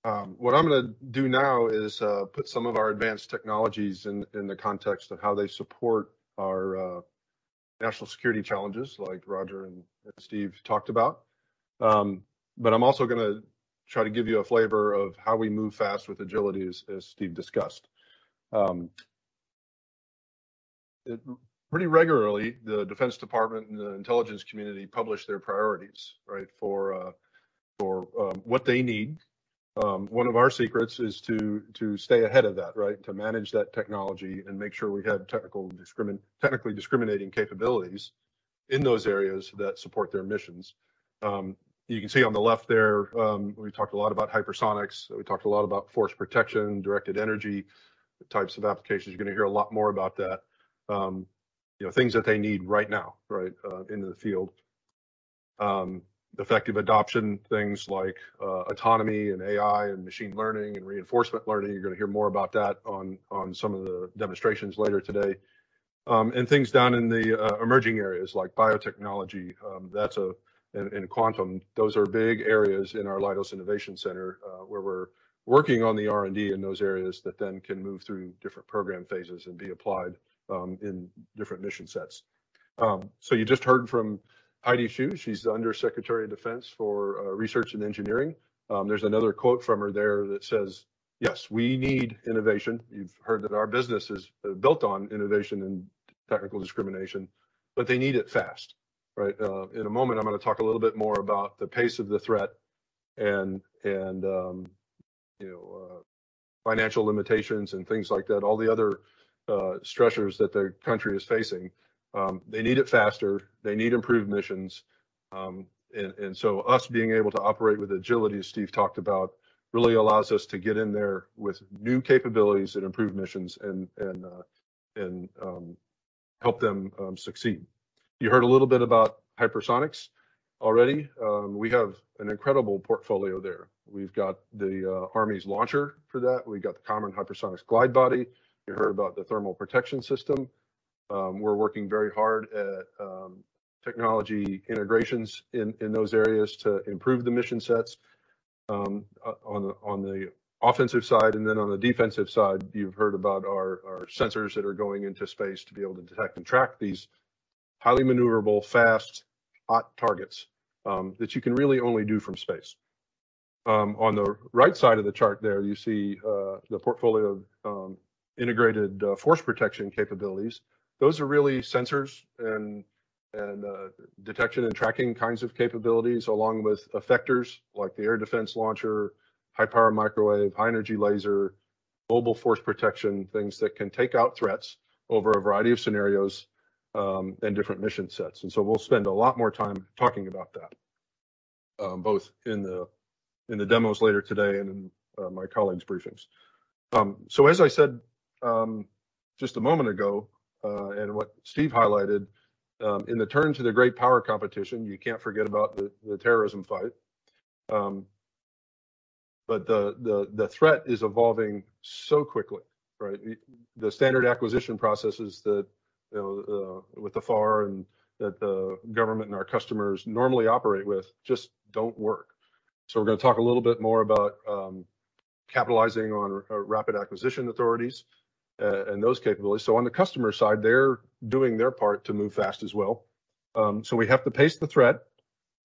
What I'm gonna do now is put some of our advanced technologies in the context of how they support our national security challenges, like Roger and Steve talked about. I'm also gonna try to give you a flavor of how we move fast with agility, as Steve discussed. It, pretty regularly, the Defense Department and The Intelligence community publish their priorities, right, for what they need. One of our secrets is to stay ahead of that, right? To manage that technology and make sure we have technically discriminating capabilities in those areas that support their missions. You can see on the left there, we talked a lot about hypersonics, we talked a lot about force protection, directed energy types of applications. You're gonna hear a lot more about that. You know, things that they need right now, right, in the field. Effective adoption, things like autonomy and AI and machine learning and reinforcement learning. You're gonna hear more about that on some of the demonstrations later today. And things down in the emerging areas like biotechnology. Quantum, those are big areas in our Leidos Innovations Center, where we're working on the R&D in those areas that then can move through different program phases and be applied in different mission sets. You just heard from Heidi Shyu, she's the Under Secretary of Defense for Research and Engineering. There's another quote from her there that says, "Yes, we need innovation." You've heard that our business is built on innovation and technical discrimination, they need it fast, right? In a moment, I'm gonna talk a little bit more about the pace of the threat and, you know, financial limitations and things like that, all the other stressors that the country is facing. They need it faster, they need improved missions. Us being able to operate with agility, as Steve talked about, really allows us to get in there with new capabilities and improved missions and help them succeed. You heard a little bit about hypersonics already. We have an incredible portfolio there. We've got the Army's launcher for that. We've got the Common-Hypersonic Glide Body. You heard about the Hypersonic Thermal Protection System. We're working very hard at technology integrations in those areas to improve the mission sets on the offensive side. On the defensive side, you've heard about our sensors that are going into space to be able to detect and track these highly maneuverable, fast, hot targets that you can really only do from space. On the right side of the chart there, you see the portfolio of integrated force protection capabilities. Those are really sensors and detection and tracking kinds of capabilities, along with effectors like the air defense launcher, high-power microwave, high-energy laser, Mobile Force Protection, things that can take out threats over a variety of scenarios and different mission sets. We'll spend a lot more time talking about that both in the demos later today and in my colleagues' briefings. As I said just a moment ago, and what Steve highlighted in the turn to the great power competition, you can't forget about the terrorism fight. The threat is evolving so quickly, right? The standard acquisition processes that, you know, with the FAR and that the government and our customers normally operate with just don't work. We're gonna talk a little bit more about capitalizing on rapid acquisition authorities and those capabilities. On the customer side, they're doing their part to move fast as well. So we have to pace the threat.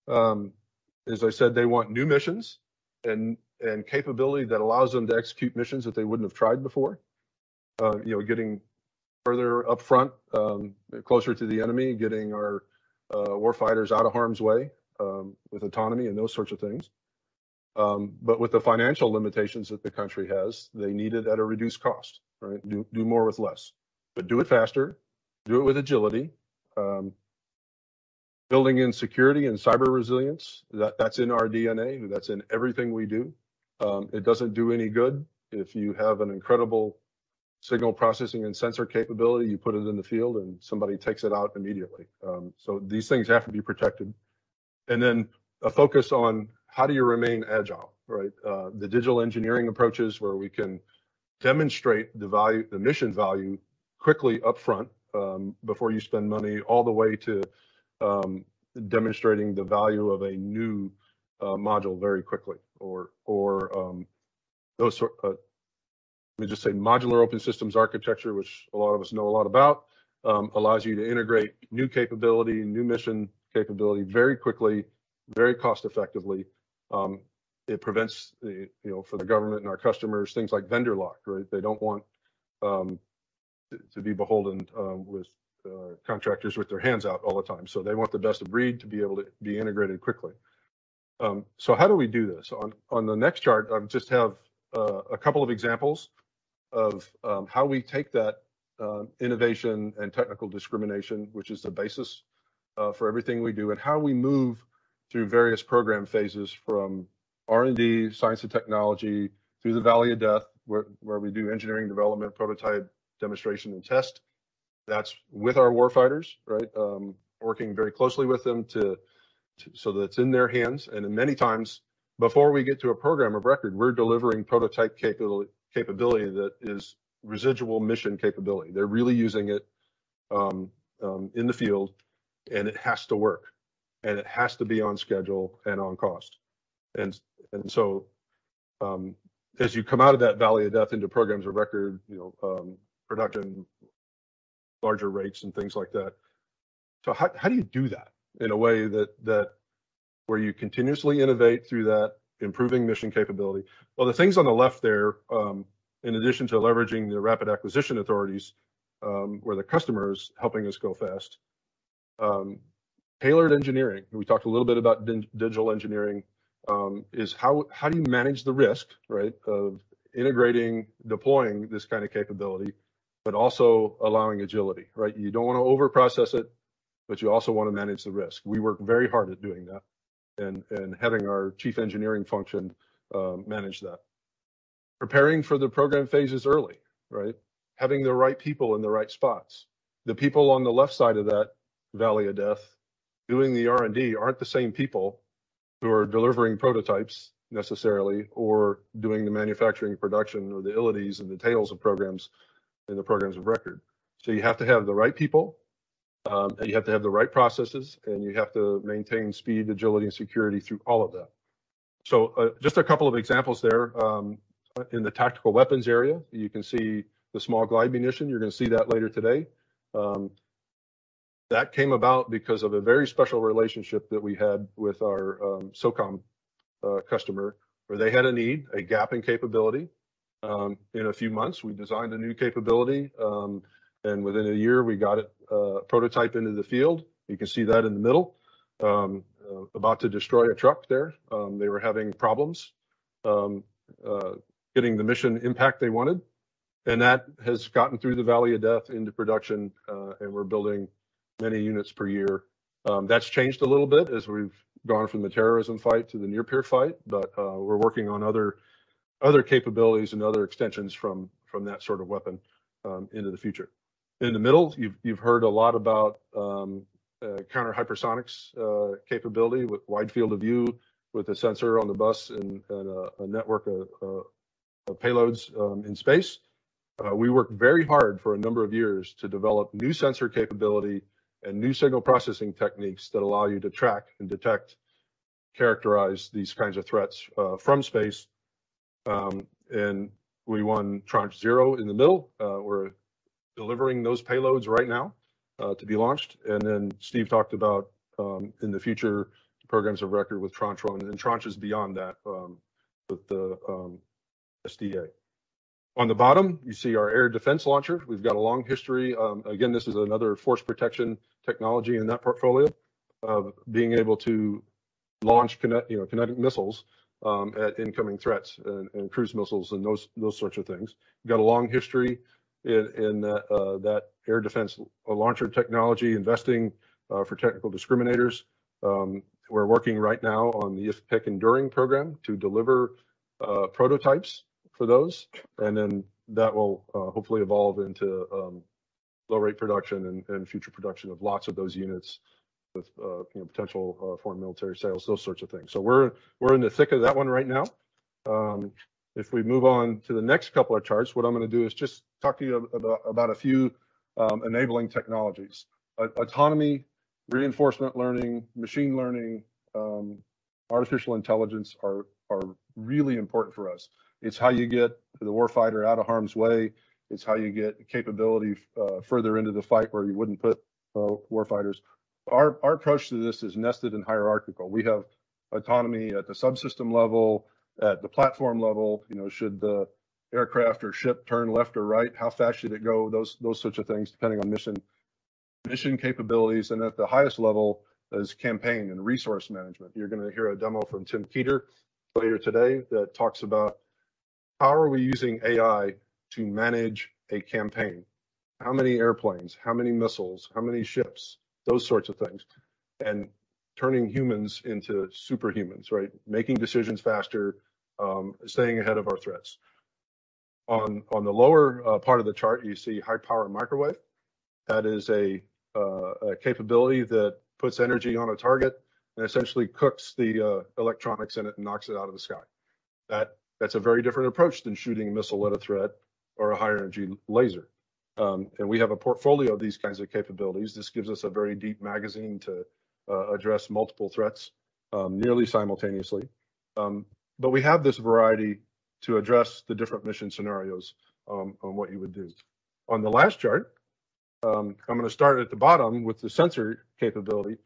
As I said, they want new missions and capability that allows them to execute missions that they wouldn't have tried before. You know, getting further upfront, closer to the enemy, getting our war fighters out of harm's way, with autonomy and those sorts of things. But with the financial limitations that the country has, they need it at a reduced cost, right? Do more with less. Do it faster, do it with agility. Building in security and cyber resilience, that's in our DNA, that's in everything we do. It doesn't do any good if you have an incredible signal processing and sensor capability, you put it in the field, and somebody takes it out immediately. These things have to be protected. Then a focus on how do you remain agile, right? The digital engineering approaches where we can demonstrate the value, the mission value quickly upfront, before you spend money all the way to, demonstrating the value of a new module very quickly or, those sort. Let me just say Modular Open Systems Architecture, which a lot of us know a lot about, allows you to integrate new capability, new mission capability very quickly, very cost-effectively. It prevents the, you know, for the government and our customers, things like vendor lock, right? They don't want to be beholden with contractors with their hands out all the time. They want the best of breed to be able to be integrated quickly. How do we do this? On the next chart, I just have a couple of examples of how we take that innovation and technical discrimination, which is the basis for everything we do, and how we move through various program phases from R&D, science and technology, through the valley of death, where we do engineering, development, prototype, demonstration, and test. That's with our war fighters, right? Working very closely with them to so that it's in their hands. Many times before we get to a program of record, we're delivering prototype capability that is residual mission capability. They're really using it in the field, and it has to work, and it has to be on schedule and on cost. As you come out of that valley of death into programs of record, you know, production, larger rates and things like that. How do you do that in a way that where you continuously innovate through that improving mission capability. The things on the left there, in addition to leveraging the rapid acquisition authorities, where the customer is helping us go fast, tailored engineering, we talked a little bit about digital engineering, is how do you manage the risk, right, of integrating, deploying this kind of capability, but also allowing agility, right? You don't wanna overprocess it, you also wanna manage the risk. We work very hard at doing that and having our chief engineering function manage that. Preparing for the program phases early, right? Having the right people in the right spots. The people on the left side of that Valley of Death doing the R&D aren't the same people who are delivering prototypes necessarily, or doing the manufacturing production or the abilities and details of programs in the programs of record. You have to have the right people, you have to have the right processes, you have to maintain speed, agility, and security through all of that. Just a couple of examples there. In the tactical weapons area, you can see the Small Glide Munition. You're gonna see that later today. That came about because of a very special relationship that we had with our SOCOM customer, where they had a need, a gap in capability. In a few months, we designed a new capability, and within a year we got it prototyped into the field. You can see that in the middle, about to destroy a truck there. They were having problems getting the mission impact they wanted, and that has gotten through the Valley of Death into production, and we're building many units per year. That's changed a little bit as we've gone from the terrorism fight to the near peer fight, we're working on other capabilities and other extensions from that sort of weapon into the future. In the middle, you've heard a lot about counter-hypersonics capability with Wide Field of View with a sensor on the bus and a network of payloads in space. We worked very hard for a number of years to develop new sensor capability and new signal processing techniques that allow you to track and detect, characterize these kinds of threats from space. We won Tranche 0 in the middle. We're delivering those payloads right now to be launched. Then Steve Cook talked about in the future, the programs of record with Tranche 1 and tranches beyond that with the Space Development Agency. On the bottom, you see our air defense launcher. We've got a long history. Again, this is another force protection technology in that portfolio of being able to launch you know, kinetic missiles, at incoming threats and cruise missiles and those sorts of things. We've got a long history in that air defense launcher technology investing for technical discriminators. We're working right now on the IFPC enduring program to deliver prototypes for those, and then that will hopefully evolve into low rate production and future production of lots of those units with you know, potential foreign military sales, those sorts of things. We're in the thick of that one right now. If we move on to the next couple of charts, what I'm gonna do is just talk to you about a few enabling technologies. Autonomy, reinforcement learning, machine learning, artificial intelligence are really important for us. It's how you get the war fighter out of harm's way. It's how you get capability further into the fight where you wouldn't put war fighters. Our approach to this is nested and hierarchical. We have autonomy at the subsystem level, at the platform level, you know, should the aircraft or ship turn left or right, how fast should it go? Those, those sorts of things, depending on mission capabilities, and at the highest level is campaign and resource management. You're gonna hear a demo from Tim Peters later today that talks about how are we using AI to manage a campaign. How many airplanes, how many missiles, how many ships, those sorts of things, and turning humans into superhumans, right? Making decisions faster, staying ahead of our threats. On the lower part of the chart, you see high-power microwave. That is a capability that puts energy on a target and essentially cooks the electronics in it and knocks it out of the sky. That's a very different approach than shooting a missile at a threat or a higher energy laser. We have a portfolio of these kinds of capabilities. This gives us a very deep magazine to address multiple threats nearly simultaneously. We have this variety to address the different mission scenarios on what you would do. On the last chart, I'm gonna start at the bottom with the sensor capability.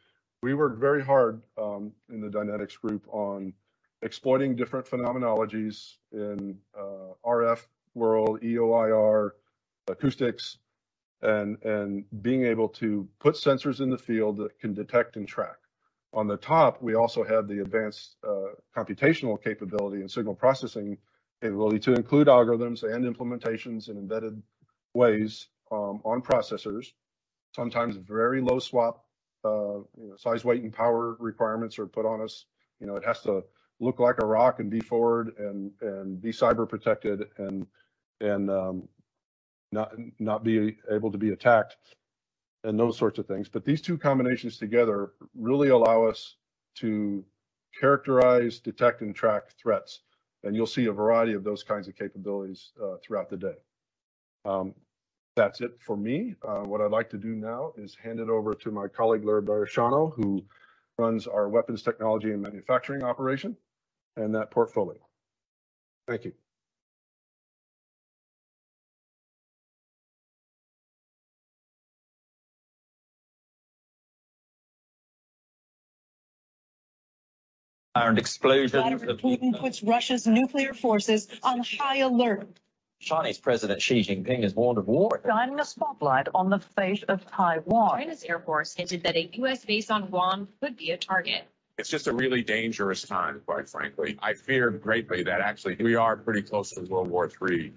We worked very hard, in the Dynetics Group on exploiting different phenomenologies in RF world, EO/IR, acoustics, and being able to put sensors in the field that can detect and track. On the top, we also have the advanced computational capability and signal processing ability to include algorithms and implementations in embedded ways on processors. Sometimes very low SWaP, you know, size, weight, and power requirements are put on us. You know, it has to look like a rock and be forward and be cyber protected and not be able to be attacked and those sorts of things. These two combinations together really allow us to characterize, detect, and track threats, and you'll see a variety of those kinds of capabilities throughout the day. That's it for me. What I'd like to do now is hand it over to my colleague, Larry Barisciano, who runs our Weapons Technology and Manufacturing operation and that portfolio. Thank you. An explosion of- Vladimir Putin puts Russia's nuclear forces on high alert. Chinese President Xi Jinping has warned of war. Shining a spotlight on the fate of Taiwan. China's air force hinted that a U.S. base on Guam could be a target. It's just a really dangerous time, quite frankly. I fear greatly that actually we are pretty close to World War III.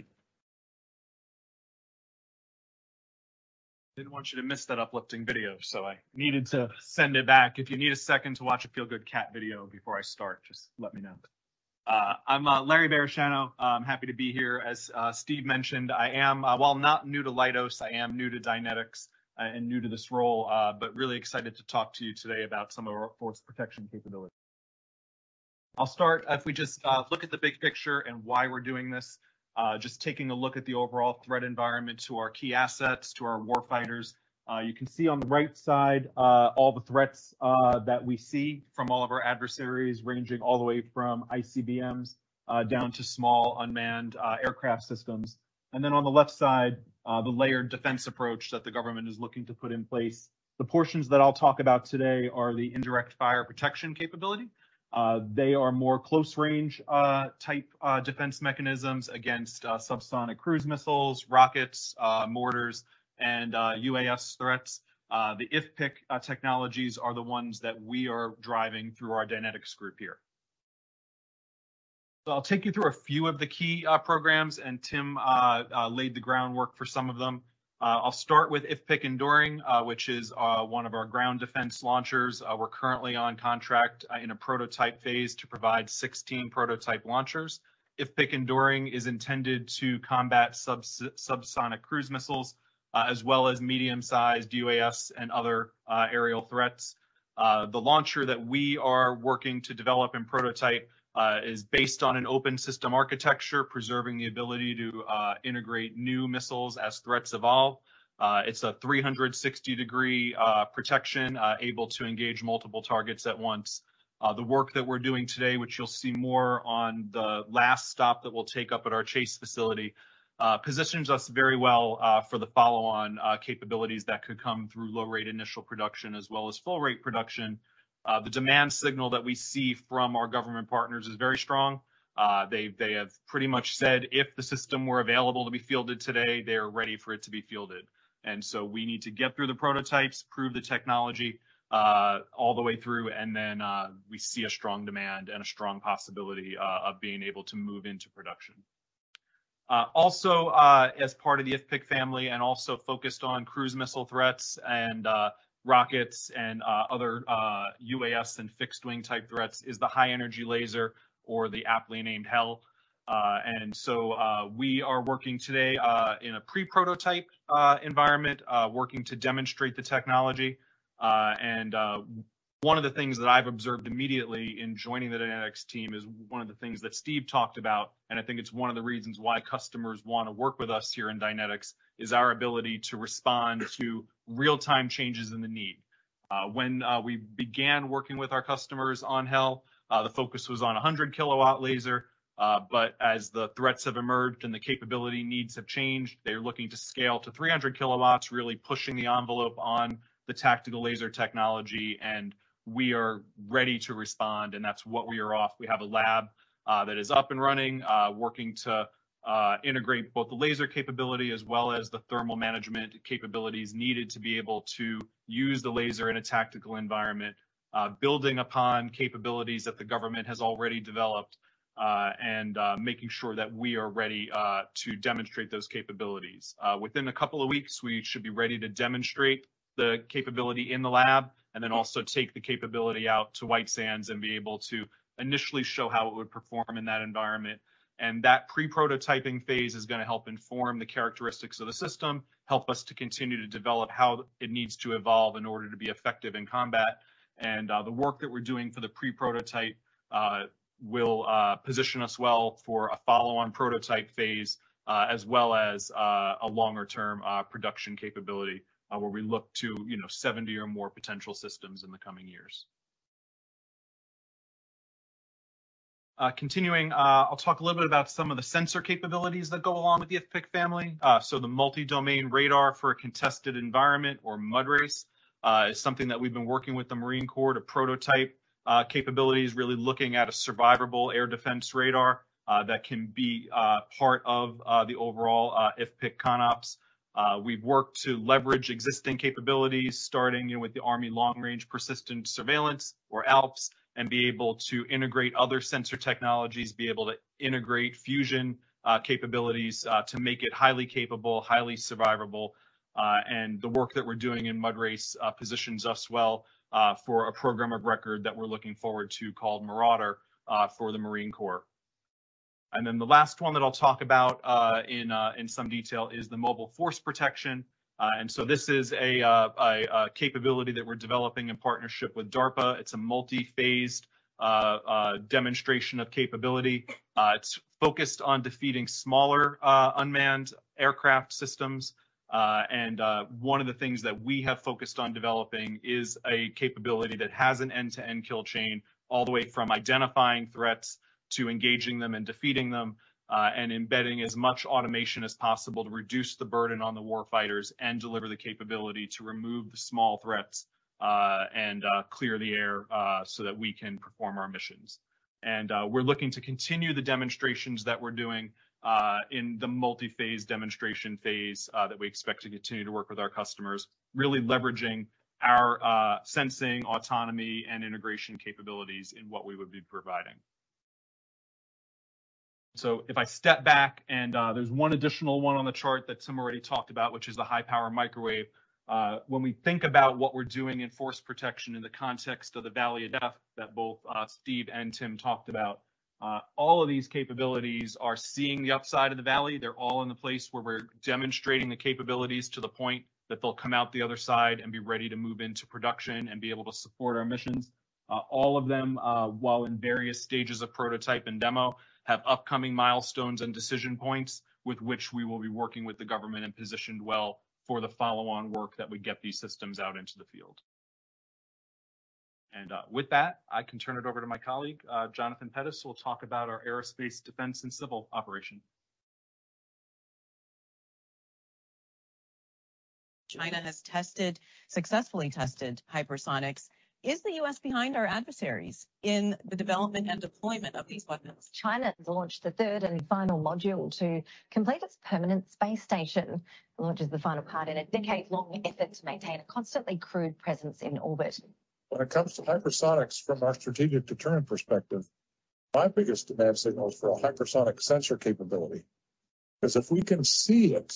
Didn't want you to miss that uplifting video, I needed to send it back. If you need a second to watch a feel-good cat video before I start, just let me know. I'm Larry Barisciano. I'm happy to be here. As Steve Cook mentioned, I am, while not new to Leidos, I am new to Dynetics and new to this role, really excited to talk to you today about some of our force protection capabilities. I'll start. If we just look at the big picture and why we're doing this, just taking a look at the overall threat environment to our key assets, to our war fighters. You can see on the right side, all the threats that we see from all of our adversaries, ranging all the way from ICBMs, down to small unmanned aircraft systems. On the left side, the layered defense approach that the government is looking to put in place. The portions that I'll talk about today are the Indirect Fire Protection Capability. They are more close range type defense mechanisms against subsonic cruise missiles, rockets, mortars, and UAS threats. The IFPC technologies are the ones that we are driving through our Dynetics group here. I'll take you through a few of the key programs, and Tim Barton laid the groundwork for some of them. I'll start with IFPC Enduring, which is one of our ground defense launchers. We're currently on contract in a prototype phase to provide 16 prototype launchers. IFPC Enduring is intended to combat subsonic cruise missiles, as well as medium-sized UAS and other aerial threats. The launcher that we are working to develop and prototype is based on an open system architecture, preserving the ability to integrate new missiles as threats evolve. It's a 360 degree protection, able to engage multiple targets at once. The work that we're doing today, which you'll see more on the last stop that we'll take up at our Chase facility, positions us very well for the follow-on capabilities that could come through low rate initial production as well as full-rate production. The demand signal that we see from our government partners is very strong. They have pretty much said if the system were available to be fielded today, they are ready for it to be fielded. We need to get through the prototypes, prove the technology all the way through, and then we see a strong demand and a strong possibility of being able to move into production. Also, as part of the IFPC family and also focused on cruise missile threats and rockets and other UAS and fixed wing type threats is the High energy laser or the aptly named HEL. We are working today in a pre-prototype environment working to demonstrate the technology. One of the things that I've observed immediately in joining the Dynetics team is one of the things that Steve talked about, and I think it's one of the reasons why customers want to work with us here in Dynetics, is our ability to respond to real-time changes in the need. When we began working with our customers on HEL, the focus was on 100 kW laser. As the threats have emerged and the capability needs have changed, they're looking to scale to 300 kW, really pushing the envelope on the tactical laser technology, and we are ready to respond, and that's what we are off. We have a lab that is up and running, working to integrate both the laser capability as well as the thermal management capabilities needed to be able to use the laser in a tactical environment, building upon capabilities that the government has already developed, and making sure that we are ready to demonstrate those capabilities. Within a couple of weeks, we should be ready to demonstrate the capability in the lab and then also take the capability out to White Sands and be able to initially show how it would perform in that environment. That pre-prototyping phase is gonna help inform the characteristics of the system, help us to continue to develop how it needs to evolve in order to be effective in combat. The work that we're doing for the pre-prototype will position us well for a follow-on prototype phase, as well as a longer-term production capability, where we look to, you know, 70 or more potential systems in the coming years. Continuing, I'll talk a little bit about some of the sensor capabilities that go along with the IFPC family. The Multi-Domain Radar for a Contested Environment or MDRS is something that we've been working with the Marine Corps to prototype. Capabilities really looking at a survivable air defense radar that can be part of the overall IFPC CONOPS. We've worked to leverage existing capabilities, starting in with the Army Long Range Persistent Surveillance, or ALPS, and be able to integrate other sensor technologies, be able to integrate fusion capabilities to make it highly capable, highly survivable. The work that we're doing in MDRS positions us well for a program of record that we're looking forward to called Marauder for the Marine Corps. The last one that I'll talk about in some detail is the Mobile Force Protection. This is a capability that we're developing in partnership with DARPA. It's a multi-phased demonstration of capability. It's focused on defeating smaller, unmanned aircraft systems. One of the things that we have focused on developing is a capability that has an end-to-end kill chain all the way from identifying threats to engaging them and defeating them, and embedding as much automation as possible to reduce the burden on the war fighters and deliver the capability to remove the small threats, and, clear the air, so that we can perform our missions. We're looking to continue the demonstrations that we're doing in the multi-phase demonstration phase that we expect to continue to work with our customers, really leveraging our sensing, autonomy, and integration capabilities in what we would be providing. If I step back and there's one additional one on the chart that Tim Barton already talked about, which is the high-power microwave. When we think about what we're doing in force protection in the context of the Valley of Death that both Steve Cook and Tim Barton talked about, all of these capabilities are seeing the upside of the Valley. They're all in the place where we're demonstrating the capabilities to the point that they'll come out the other side and be ready to move into production and be able to support our missions. All of them, while in various stages of prototype and demo, have upcoming milestones and decision points with which we will be working with the government and positioned well for the follow-on work that would get these systems out into the field. With that, I can turn it over to my colleague, Jonathan Pettus, who will talk about our Aerospace Defense and Civil operation. China has successfully tested hypersonics. Is the U.S. behind our adversaries in the development and deployment of these weapons? China has launched the third and final module to complete its permanent space station. The launch is the final part in a decade-long effort to maintain a constantly crewed presence in orbit. When it comes to hypersonics from our strategic deterrent perspective, my biggest demand signal is for a hypersonic sensor capability. If we can see it,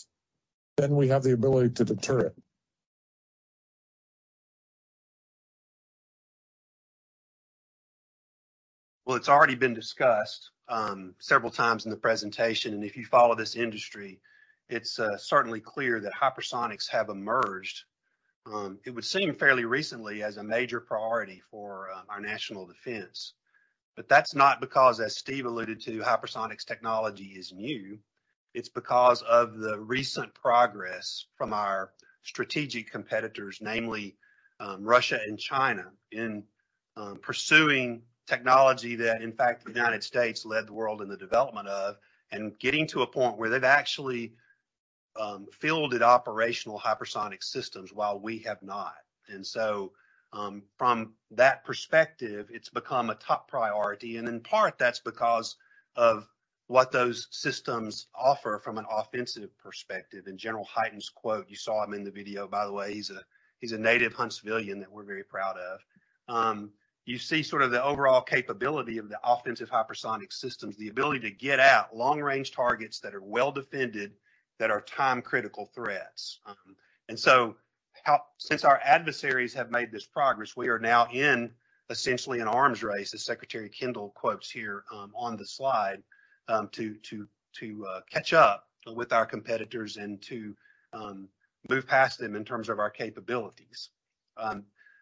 then we have the ability to deter it. Well, it's already been discussed, several times in the presentation, and if you follow this industry, it's certainly clear that hypersonics have emerged, it would seem fairly recently as a major priority for our national defense. That's not because, as Steve alluded to, hypersonics technology is new. It's because of the recent progress from our strategic competitors, namely, Russia and China, in pursuing technology that, in fact, the United States led the world in the development of, and getting to a point where they've actually fielded operational hypersonic systems while we have not. From that perspective, it's become a top priority. In part, that's because of what those systems offer from an offensive perspective. In General Hyten's quote, you saw him in the video, by the way, he's a native Huntsvillian that we're very proud of. You see sort of the overall capability of the offensive hypersonic systems, the ability to get at long-range targets that are well-defended, that are time-critical threats. Since our adversaries have made this progress, we are now in essentially an arms race, as Secretary Kendall quotes here on the slide, to catch up with our competitors and to move past them in terms of our capabilities.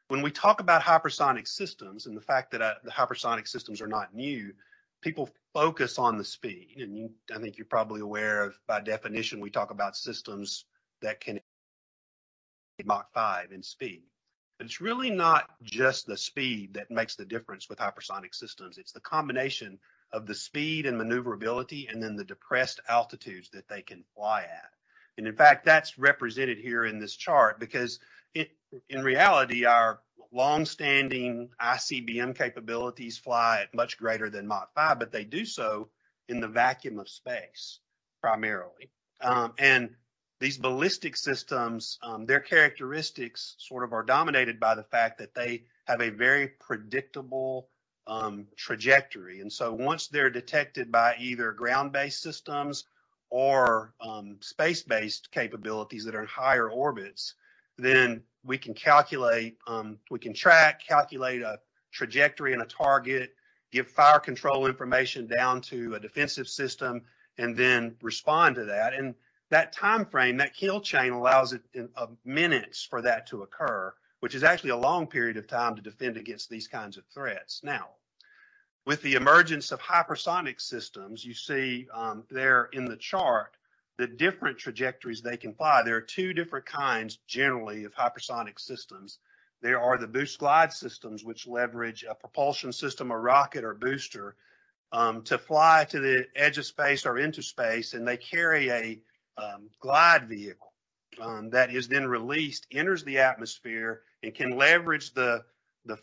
When we talk about hypersonic systems and the fact that the hypersonic systems are not new, people focus on the speed. You, I think you're probably aware of by definition, we talk about systems that can hit Mach 5 in speed. But it's really not just the speed that makes the difference with hypersonic systems. It's the combination of the speed and maneuverability, and then the depressed altitudes that they can fly at. In fact, that's represented here in this chart because in reality, our longstanding ICBM capabilities fly at much greater than Mach 5, but they do so in the vacuum of space primarily. These ballistic systems, their characteristics sort of are dominated by the fact that they have a very predictable trajectory. Once they're detected by either ground-based systems or space-based capabilities that are in higher orbits, then we can calculate, we can track, calculate a trajectory and a target, give fire control information down to a defensive system, and then respond to that. That timeframe, that kill chain allows it in minutes for that to occur, which is actually a long period of time to defend against these kinds of threats. Now, with the emergence of hypersonic systems, you see there in the chart the different trajectories they can fly. There are two different kinds, generally, of hypersonic systems. There are the Boost-glide systems, which leverage a propulsion system, a rocket or booster, to fly to the edge of space or into space, and they carry a glide vehicle that is then released, enters the atmosphere, and can leverage the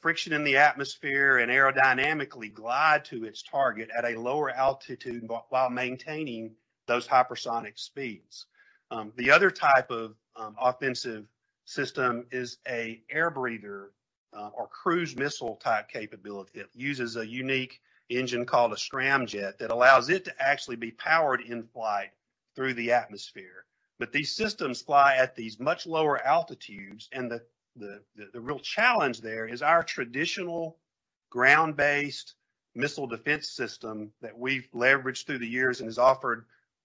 friction in the atmosphere and aerodynamically glide to its target at a lower altitude while maintaining those hypersonic speeds. The other type of offensive system is a air breather or cruise missile-type capability. It uses a unique engine called a scramjet that allows it to actually be powered in flight through the atmosphere. These systems fly at these much lower altitudes, and the real challenge there is our traditional ground-based missile defense system that we've leveraged through the years and has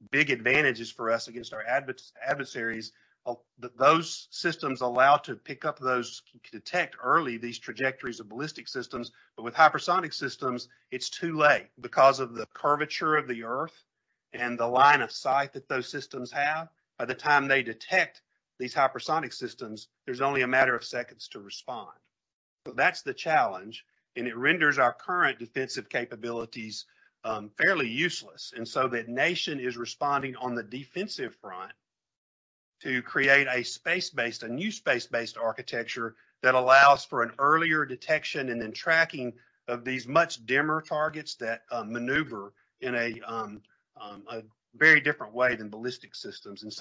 offered big advantages for us against our adversaries, those systems can detect early these trajectories of ballistic systems, but with hypersonic systems, it's too late. Because of the curvature of the Earth and the line of sight that those systems have, by the time they detect these hypersonic systems, there's only a matter of seconds to respond. That's the challenge, and it renders our current defensive capabilities, fairly useless. The nation is responding on the defensive front to create a space-based, a new space-based architecture that allows for an earlier detection and then tracking of these much dimmer targets that maneuver in a very different way than ballistic systems.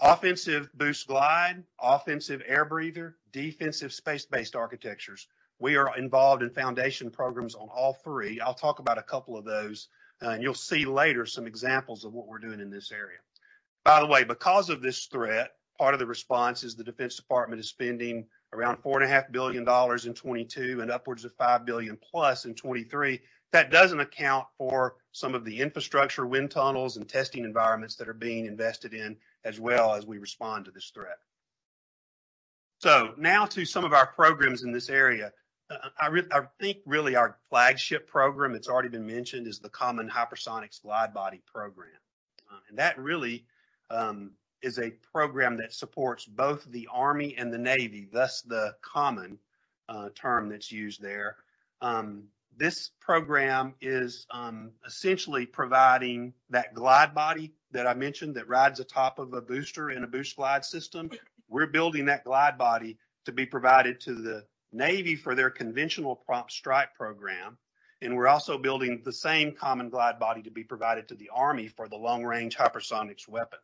Offensive boost-glide, offensive air breather, defensive space-based architectures, we are involved in foundation programs on all three. I'll talk about a couple of those, and you'll see later some examples of what we're doing in this area. Because of this threat, part of the response is the Department of Defense is spending around $4.5 billion in 2022 and upwards of $5+ billion in 2023. That doesn't account for some of the infrastructure, wind tunnels, and testing environments that are being invested in as well as we respond to this threat. Now to some of our programs in this area. I think really our flagship program, it's already been mentioned, is the Common-Hypersonic Glide Body program. That really is a program that supports both the Army and the Navy, thus the common term that's used there. This program is essentially providing that glide body that I mentioned that rides atop of a booster in a boost-glide system. We're building that glide body to be provided to the Navy for their Conventional Prompt Strike program. We're also building the same common glide body to be provided to the Army for the Long-Range Hypersonic Weapon.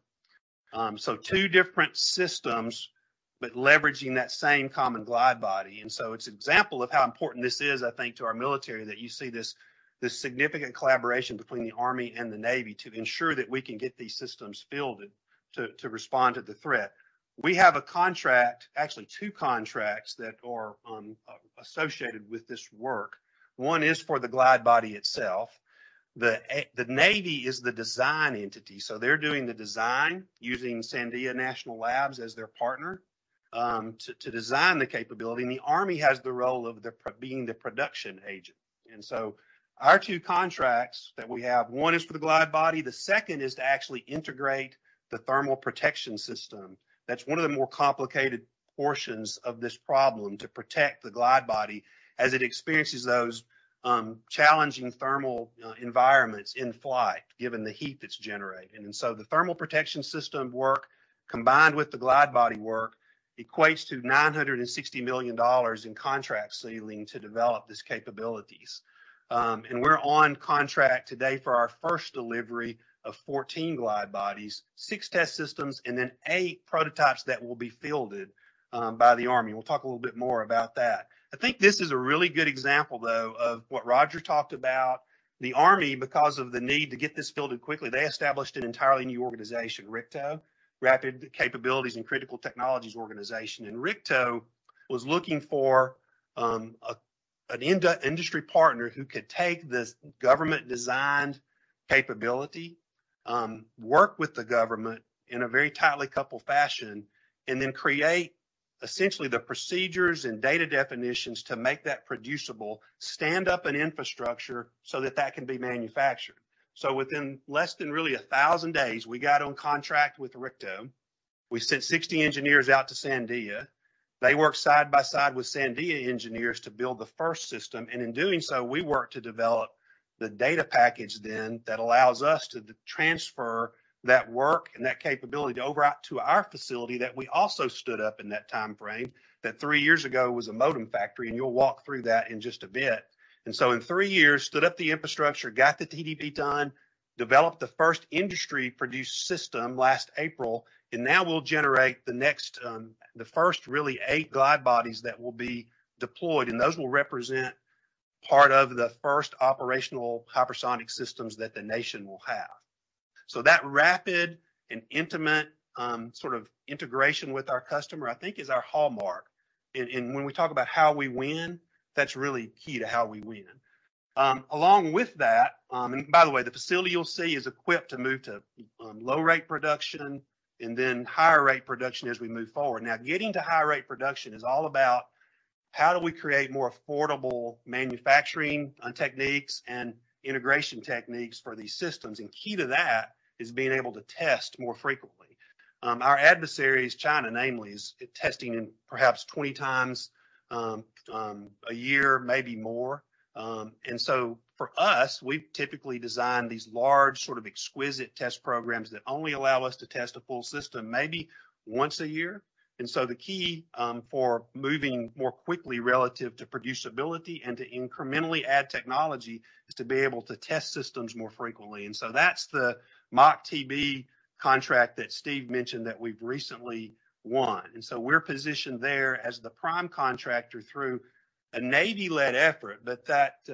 Two different systems, but leveraging that same common glide body. It's an example of how important this is, I think, to our military that you see this significant collaboration between the Army and the Navy to ensure that we can get these systems fielded to respond to the threat. We have a contract, actually two contracts, that are associated with this work. One is for the glide body itself. The Navy is the design entity, so they're doing the design using Sandia National Labs as their partner to design the capability, and the Army has the role of being the production agent. Our two contracts that we have, one is for the glide body. The second is to actually integrate the thermal protection system. That's one of the more complicated portions of this problem, to protect the glide body as it experiences those challenging thermal environments in flight, given the heat that's generated. The thermal protection system work combined with the glide body work equates to $960 million in contract ceiling to develop these capabilities. We're on contract today for our first delivery of 14 glide bodies, six test systems, and then eight prototypes that will be fielded by the Army. We'll talk a little bit more about that. I think this is a really good example, though, of what Roger talked about. The Army, because of the need to get this fielded quickly, they established an entirely new organization, RCCTO, Rapid Capabilities and Critical Technologies Organization. RCCTO was looking for an industry partner who could take this government-designed capability, work with the government in a very tightly coupled fashion, and then create essentially the procedures and data definitions to make that producible, stand up an infrastructure so that that can be manufactured. Within less than really 1,000 days, we got on contract with RCCTO. We sent 60 engineers out to Sandia. They worked side by side with Sandia engineers to build the first system. In doing so, we worked to develop the data package then that allows us to transfer that work and that capability over to our facility that we also stood up in that time frame, that three years ago was a modem factory, and you'll walk through that in just a bit. In three years, stood up the infrastructure, got the TDP done, developed the first industry-produced system last April, and now we'll generate the next, the first really eight glide bodies that will be deployed, and those will represent part of the first operational hypersonic systems that the nation will have. That rapid and intimate, sort of integration with our customer, I think, is our hallmark. When we talk about how we win, that's really key to how we win. Along with that. By the way, the facility you'll see is equipped to move to low-rate production and then higher-rate production as we move forward. Getting to high-rate production is all about how do we create more affordable manufacturing techniques and integration techniques for these systems, and key to that is being able to test more frequently. Our adversaries, China namely, is testing perhaps 20 times a year, maybe more. For us, we've typically designed these large sort of exquisite test programs that only allow us to test a full system maybe once a year. The key for moving more quickly relative to producibility and to incrementally add technology is to be able to test systems more frequently. That's the MACH-TB contract that Steve mentioned that we've recently won. We're positioned there as the prime contractor through a Navy-led effort, but that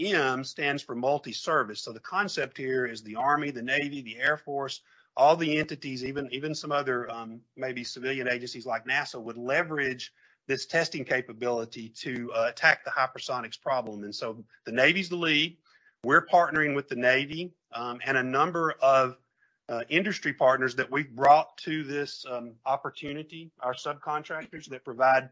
M stands for multi-service. The concept here is the Army, the Navy, the Air Force, all the entities, even some other, maybe civilian agencies like NASA, would leverage this testing capability to attack the hypersonics problem. The Navy's the lead. We're partnering with the Navy, and a number of industry partners that we've brought to this opportunity, our subcontractors that provide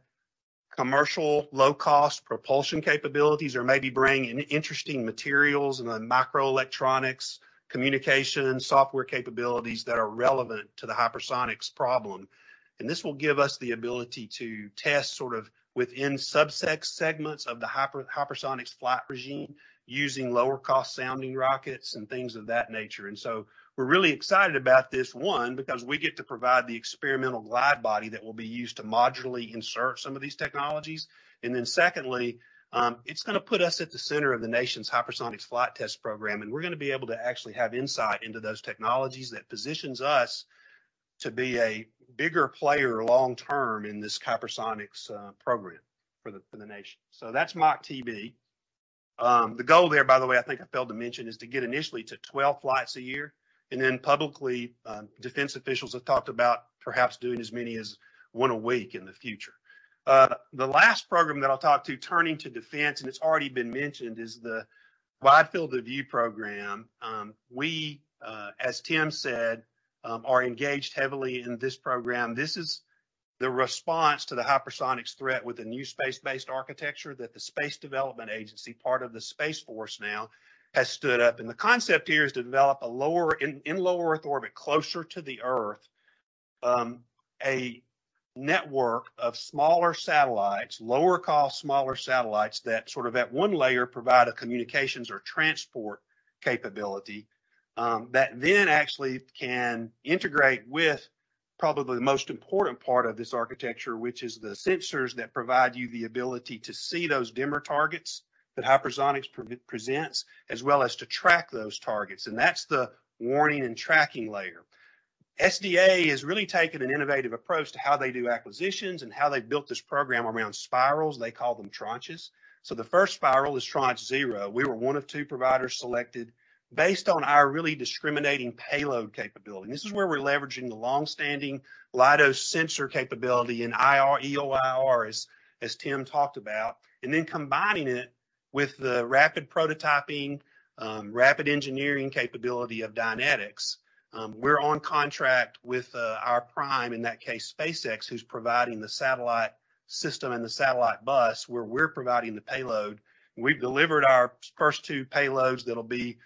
commercial low-cost propulsion capabilities or maybe bring in interesting materials in the microelectronics, communication and software capabilities that are relevant to the hypersonics problem. This will give us the ability to test sort of within segments of the hypersonics flight regime using lower cost sounding rockets and things of that nature. We're really excited about this, one, because we get to provide the experimental glide body that will be used to modularly insert some of these technologies, and then secondly, it's gonna put us at the center of the nation's hypersonic flight test program, and we're gonna be able to actually have insight into those technologies that positions us to be a bigger player long-term in this hypersonics program for the nation. That's MACH-TB. The goal there, by the way, I think I failed to mention, is to get initially to 12 flights a year, and then publicly, defense officials have talked about perhaps doing as many as one a week in the future. The last program that I'll talk to, turning to defense, and it's already been mentioned, is the Wide Field of View program. We, as Tim Barton said, are engaged heavily in this program. This is the response to the hypersonics threat with the new space-based architecture that the Space Development Agency, part of the Space Force now, has stood up. The concept here is to develop in low Earth orbit, closer to the Earth, a network of smaller satellites, lower cost, smaller satellites that sort of at one layer provide a communications or transport capability, that then actually can integrate with probably the most important part of this architecture, which is the sensors that provide you the ability to see those dimmer targets that hypersonics pre-presents as well as to track those targets, and that's the warning and tracking layer. SDA has really taken an innovative approach to how they do acquisitions and how they built this program around spirals. They call them tranches. The first spiral is Tranche 0. We were one of two providers selected based on our really discriminating payload capability, this is where we're leveraging the long-standing Leidos sensor capability in IR, EO/IR as Tim Barton talked about, and then combining it with the rapid prototyping, rapid engineering capability of Dynetics. We're on contract with our prime, in that case, SpaceX, who's providing the satellite system and the satellite bus where we're providing the payload. We've delivered our first two payloads that'll be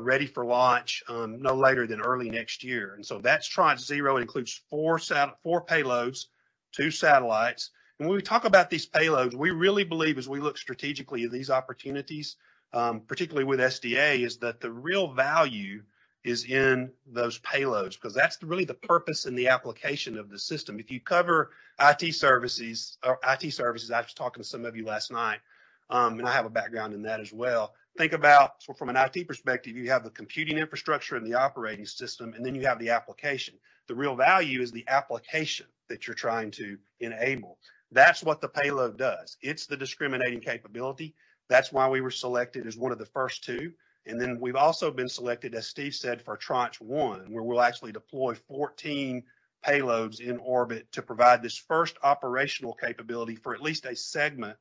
ready for launch no later than early next year. That's Tranche 0. It includes four payloads, two satellites. When we talk about these payloads, we really believe as we look strategically at these opportunities, particularly with SDA, is that the real value is in those payloads because that's really the purpose and the application of the system. If you cover IT services or IT services, I was talking to some of you last night, and I have a background in that as well, think about from an IT perspective, you have the computing infrastructure and the operating system, and then you have the application. The real value is the application that you're trying to enable. That's what the payload does. It's the discriminating capability. That's why we were selected as one of the first two, and then we've also been selected, as Steve said, for Tranche 1, where we'll actually deploy 14 payloads in orbit to provide this first operational capability for at least a segment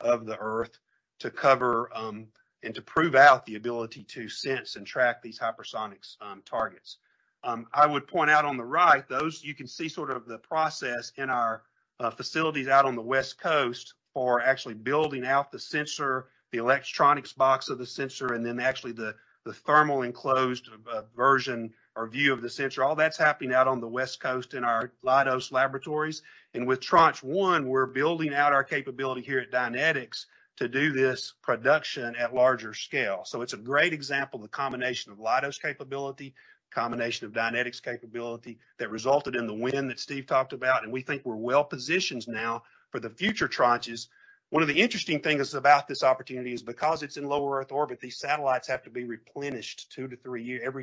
of the Earth to cover, and to prove out the ability to sense and track these hypersonics targets. I would point out on the right, those you can see sort of the process in our facilities out on the West Coast for actually building out the sensor, the electronics box of the sensor, and then actually the thermal enclosed version or view of the sensor. All that's happening out on the West Coast in our Leidos laboratories. With Tranche 1, we're building out our capability here at Dynetics to do this production at larger scale. It's a great example of the combination of Leidos capability, combination of Dynetics capability that resulted in the win that Steve talked about, and we think we're well-positioned now for the future tranches. One of the interesting things about this opportunity is because it's in low Earth orbit, these satellites have to be replenished every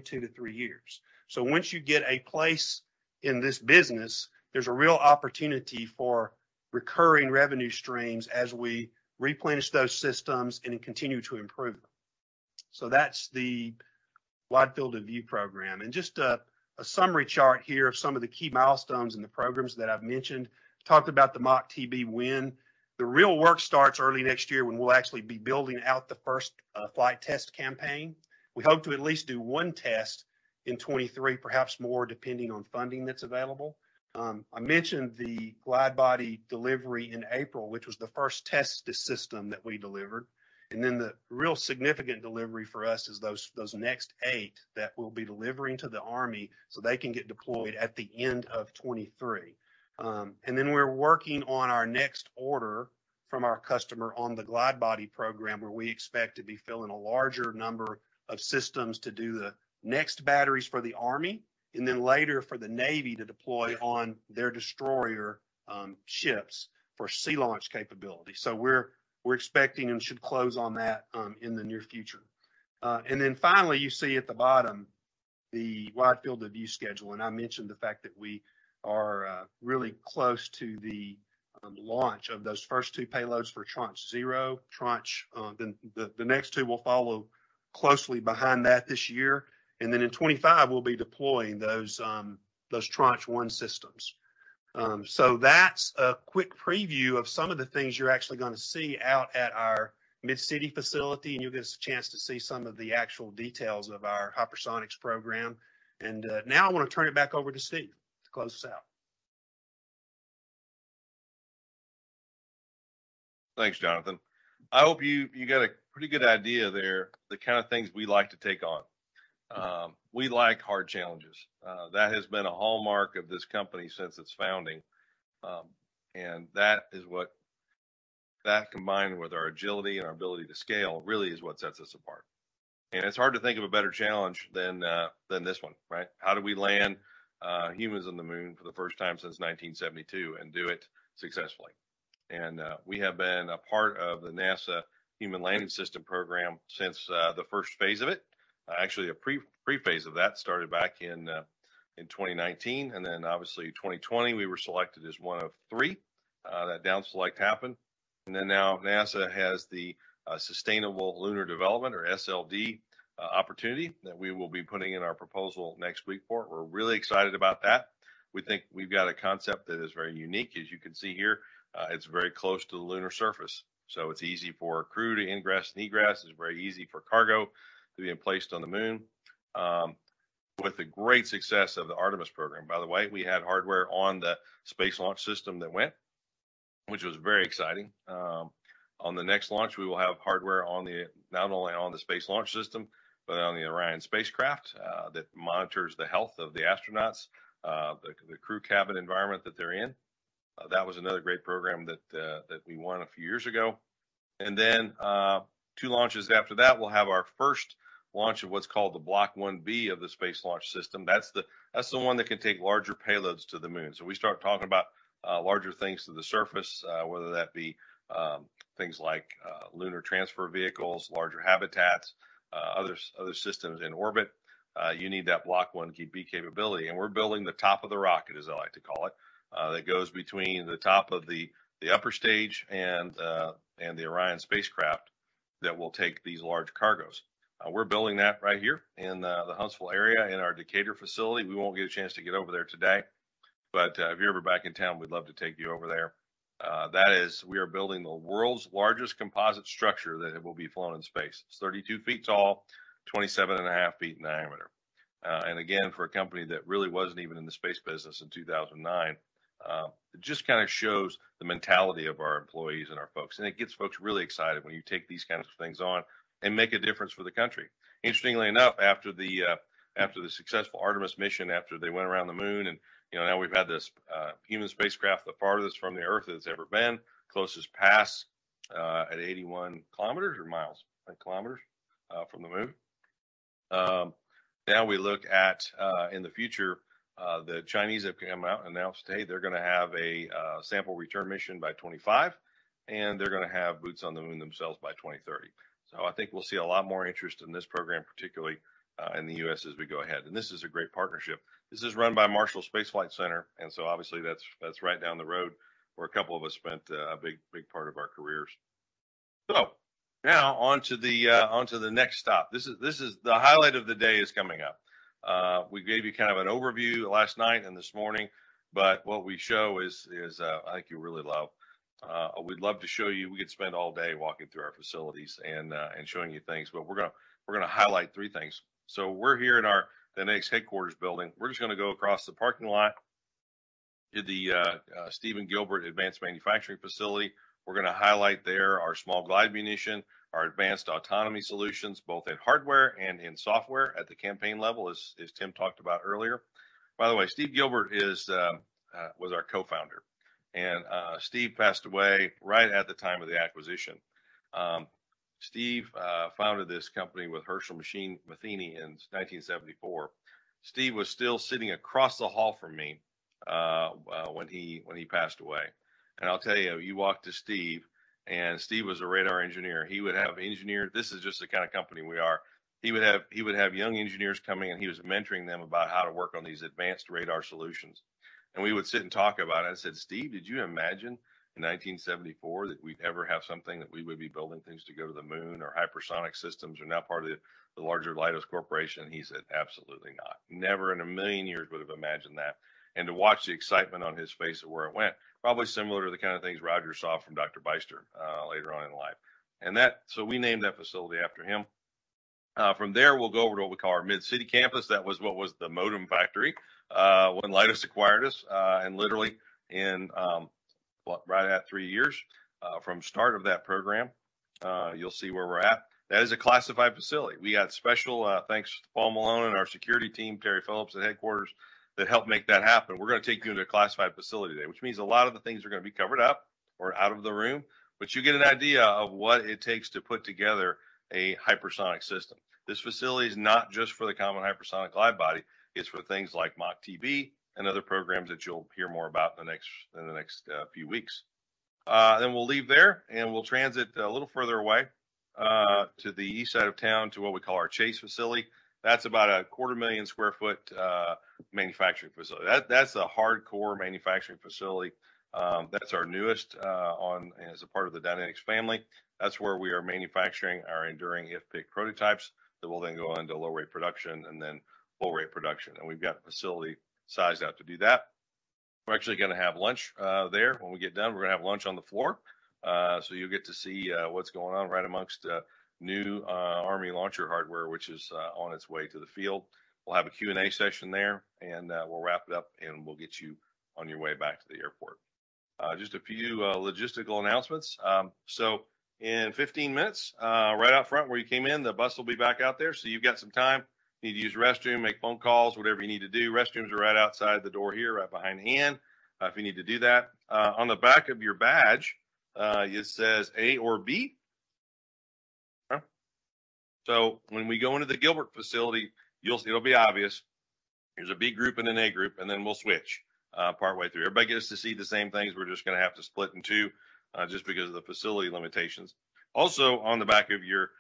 two to three years. Once you get a place in this business, there's a real opportunity for recurring revenue streams as we replenish those systems and continue to improve them. That's the Wide Field of View program. Just a summary chart here of some of the key milestones in the programs that I've mentioned. Talked about the MACH-TB win. The real work starts early next year when we'll actually be building out the first flight test campaign. We hope to at least do one test in 2023, perhaps more, depending on funding that's available. I mentioned the Glide Body delivery in April, which was the first test system that we delivered. The real significant delivery for us is those next eight that we'll be delivering to the Army so they can get deployed at the end of 2023. We're working on our next order from our customer on the Glide Body program, where we expect to be filling a larger number of systems to do the next batteries for the Army and later for the Navy to deploy on their destroyer ships for sea launch capability. We're expecting and should close on that in the near future. Then finally, you see at the bottom the Wide Field of View schedule. I mentioned the fact that we are really close to the launch of those first two payloads for Tranche 0. Tranche, then the next two will follow closely behind that this year. Then in 2025 we'll be deploying those Tranche 1 systems. That's a quick preview of some of the things you're actually gonna see out at our MidCity facility, and you'll get a chance to see some of the actual details of our hypersonics program. Now I wanna turn it back over to Steve to close us out. Thanks, Jonathan. I hope you get a pretty good idea there, the kind of things we like to take on. We like hard challenges. That has been a hallmark of this company since its founding. That combined with our agility and our ability to scale really is what sets us apart. It's hard to think of a better challenge than this one, right? How do we land humans on the Moon for the first time since 1972 and do it successfully? We have been a part of the NASA Human Landing System program since the first phase of it. Actually, a pre-free phase of that started back in 2019, obviously 2020 we were selected as one of three, that down select happened. NASA has the Sustaining Lunar Development, or SLD, opportunity that we will be putting in our proposal next week for. We're really excited about that. We think we've got a concept that is very unique. As you can see here, it's very close to the lunar surface, so it's easy for a crew to ingress and egress. It's very easy for cargo to being placed on the Moon. With the great success of the Artemis program, by the way, we had hardware on the Space Launch System that went, which was very exciting. On the next launch, we will have hardware not only on the Space Launch System, but on the Orion spacecraft that monitors the health of the astronauts, the crew cabin environment that they're in. That was another great program that we won a few years ago. Then, two launches after that, we'll have our first launch of what's called the Block 1B of the Space Launch System. That's the one that can take larger payloads to the Moon. We start talking about larger things to the surface, whether that be things like lunar transfer vehicles, larger habitats, other systems in orbit. You need that Block 1B capability. We're building the top of the rocket, as I like to call it, that goes between the top of the upper stage and the Orion spacecraft that will take these large cargos. We're building that right here in the Huntsville area in our Decatur facility. We won't get a chance to get over there today, but if you're ever back in town, we'd love to take you over there. That is we are building the world's largest composite structure that will be flown in space. It's 32 ft tall, 27.5 ft in diameter. Again, for a company that really wasn't even in the space business in 2009, it just kinda shows the mentality of our employees and our folks, and it gets folks really excited when you take these kinds of things on and make a difference for the country. Interestingly enough, after the after the successful Artemis mission, after they went around the Moon, and, you know, now we've had this human spacecraft the farthest from the Earth that it's ever been, closest pass at 81 km or mi, km from the Moon. Now we look at in the future, the Chinese have come out and announced today they're gonna have a sample return mission by 2025, and they're gonna have boots on the Moon themselves by 2030. I think we'll see a lot more interest in this program, particularly in the U.S. as we go ahead. This is a great partnership. This is run by Marshall Space Flight Center, obviously that's right down the road, where a couple of us spent a big, big part of our careers. Now on to the next stop. This is the highlight of the day is coming up. We gave you kind of an overview last night and this morning, but what we show is, I think you really love. We'd love to show you. We could spend all day walking through our facilities and showing you things, but we're gonna highlight three things. We're here at our Dynetics headquarters building. We're just gonna go across the parking lot to the Stephen Gilbert Advanced Manufacturing Facility. We're gonna highlight there our Small Glide Munition, our advanced autonomy solutions, both in hardware and in software at the campaign level, as Tim talked about earlier. Steve Gilbert was our co-founder, Steve passed away right at the time of the acquisition. Steve founded this company with Herschel Matheny in 1974. Steve was still sitting across the hall from me when he passed away. I'll tell you walk to Steve, and Steve was a radar engineer. This is just the kind of company we are. He would have young engineers coming in. He was mentoring them about how to work on these advanced radar solutions. We would sit and talk about it. I said, "Steve, did you imagine in 1974 that we'd ever have something, that we would be building things to go to the Moon or hypersonic systems are now part of the larger Leidos corporation?" He said, "Absolutely not. Never in a million years would've imagined that." To watch the excitement on his face at where it went, probably similar to the kind of things Roger saw from Dr. Beyster later on in life. We named that facility after him. From there we'll go over to what we call our MidCity campus. That was what was the modem factory when Leidos acquired us, and literally in right at three years from start of that program, you'll see where we're at. That is a classified facility. We got special thanks to Paul Malone and our security team, Terry Phillips at headquarters, that helped make that happen. We're gonna take you into a classified facility today, which means a lot of the things are gonna be covered up or out of the room, but you get an idea of what it takes to put together a hypersonic system. This facility is not just for the Common-Hypersonic Glide Body, it's for things like MACH-TB and other programs that you'll hear more about in the next few weeks. We'll leave there, and we'll transit a little further away to the east side of town to what we call our Chase facility. That's about a quarter million square ft manufacturing facility. That's a hardcore manufacturing facility. That's our newest on as a part of the Dynetics family. That's where we are manufacturing our Enduring IFPC prototypes that will then go on to low rate production and then full rate production, and we've got the facility sized out to do that. We're actually gonna have lunch there. When we get done, we're gonna have lunch on the floor. You'll get to see what's going on right amongst new Army launcher hardware, which is on its way to the field. We'll have a Q&A session there, and we'll wrap it up, and we'll get you on your way back to the airport. Just a few logistical announcements. In 15 minutes, right out front where you came in, the bus will be back out there. You've got some time. You need to use the restroom, make phone calls, whatever you need to do. Restrooms are right outside the door here, right behind Anne, if you need to do that. On the back of your badge, it says A or B, huh? When we go into the Gilbert facility, you'll see, it'll be obvious. There's a B group and an A group, and then we'll switch, partway through. Everybody gets to see the same things. We're just gonna have to split in two, just because of the facility limitations. On the back of your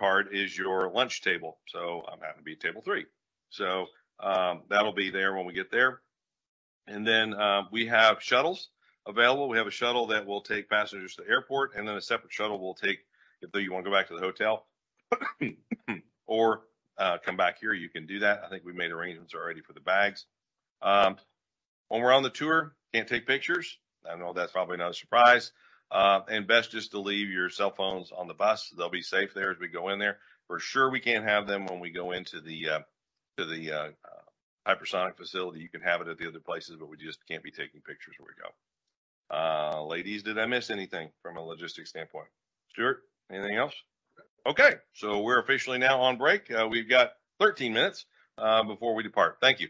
card is your lunch table. I'm happy to be table three. That'll be there when we get there. We have shuttles available. We have a shuttle that will take passengers to the airport, and then a separate shuttle will take, if though you wanna go back to the hotel, or come back here, you can do that. I think we made arrangements already for the bags. When we're on the tour, can't take pictures. I know that's probably not a surprise. Best just to leave your cell phones on the bus. They'll be safe there as we go in there. For sure we can't have them when we go into the to the hypersonic facility. You can have it at the other places, but we just can't be taking pictures where we go. Ladies, did I miss anything from a logistics standpoint? Stuart, anything else? No. Okay. We're officially now on break. We've got 13 minutes before we depart. Thank you.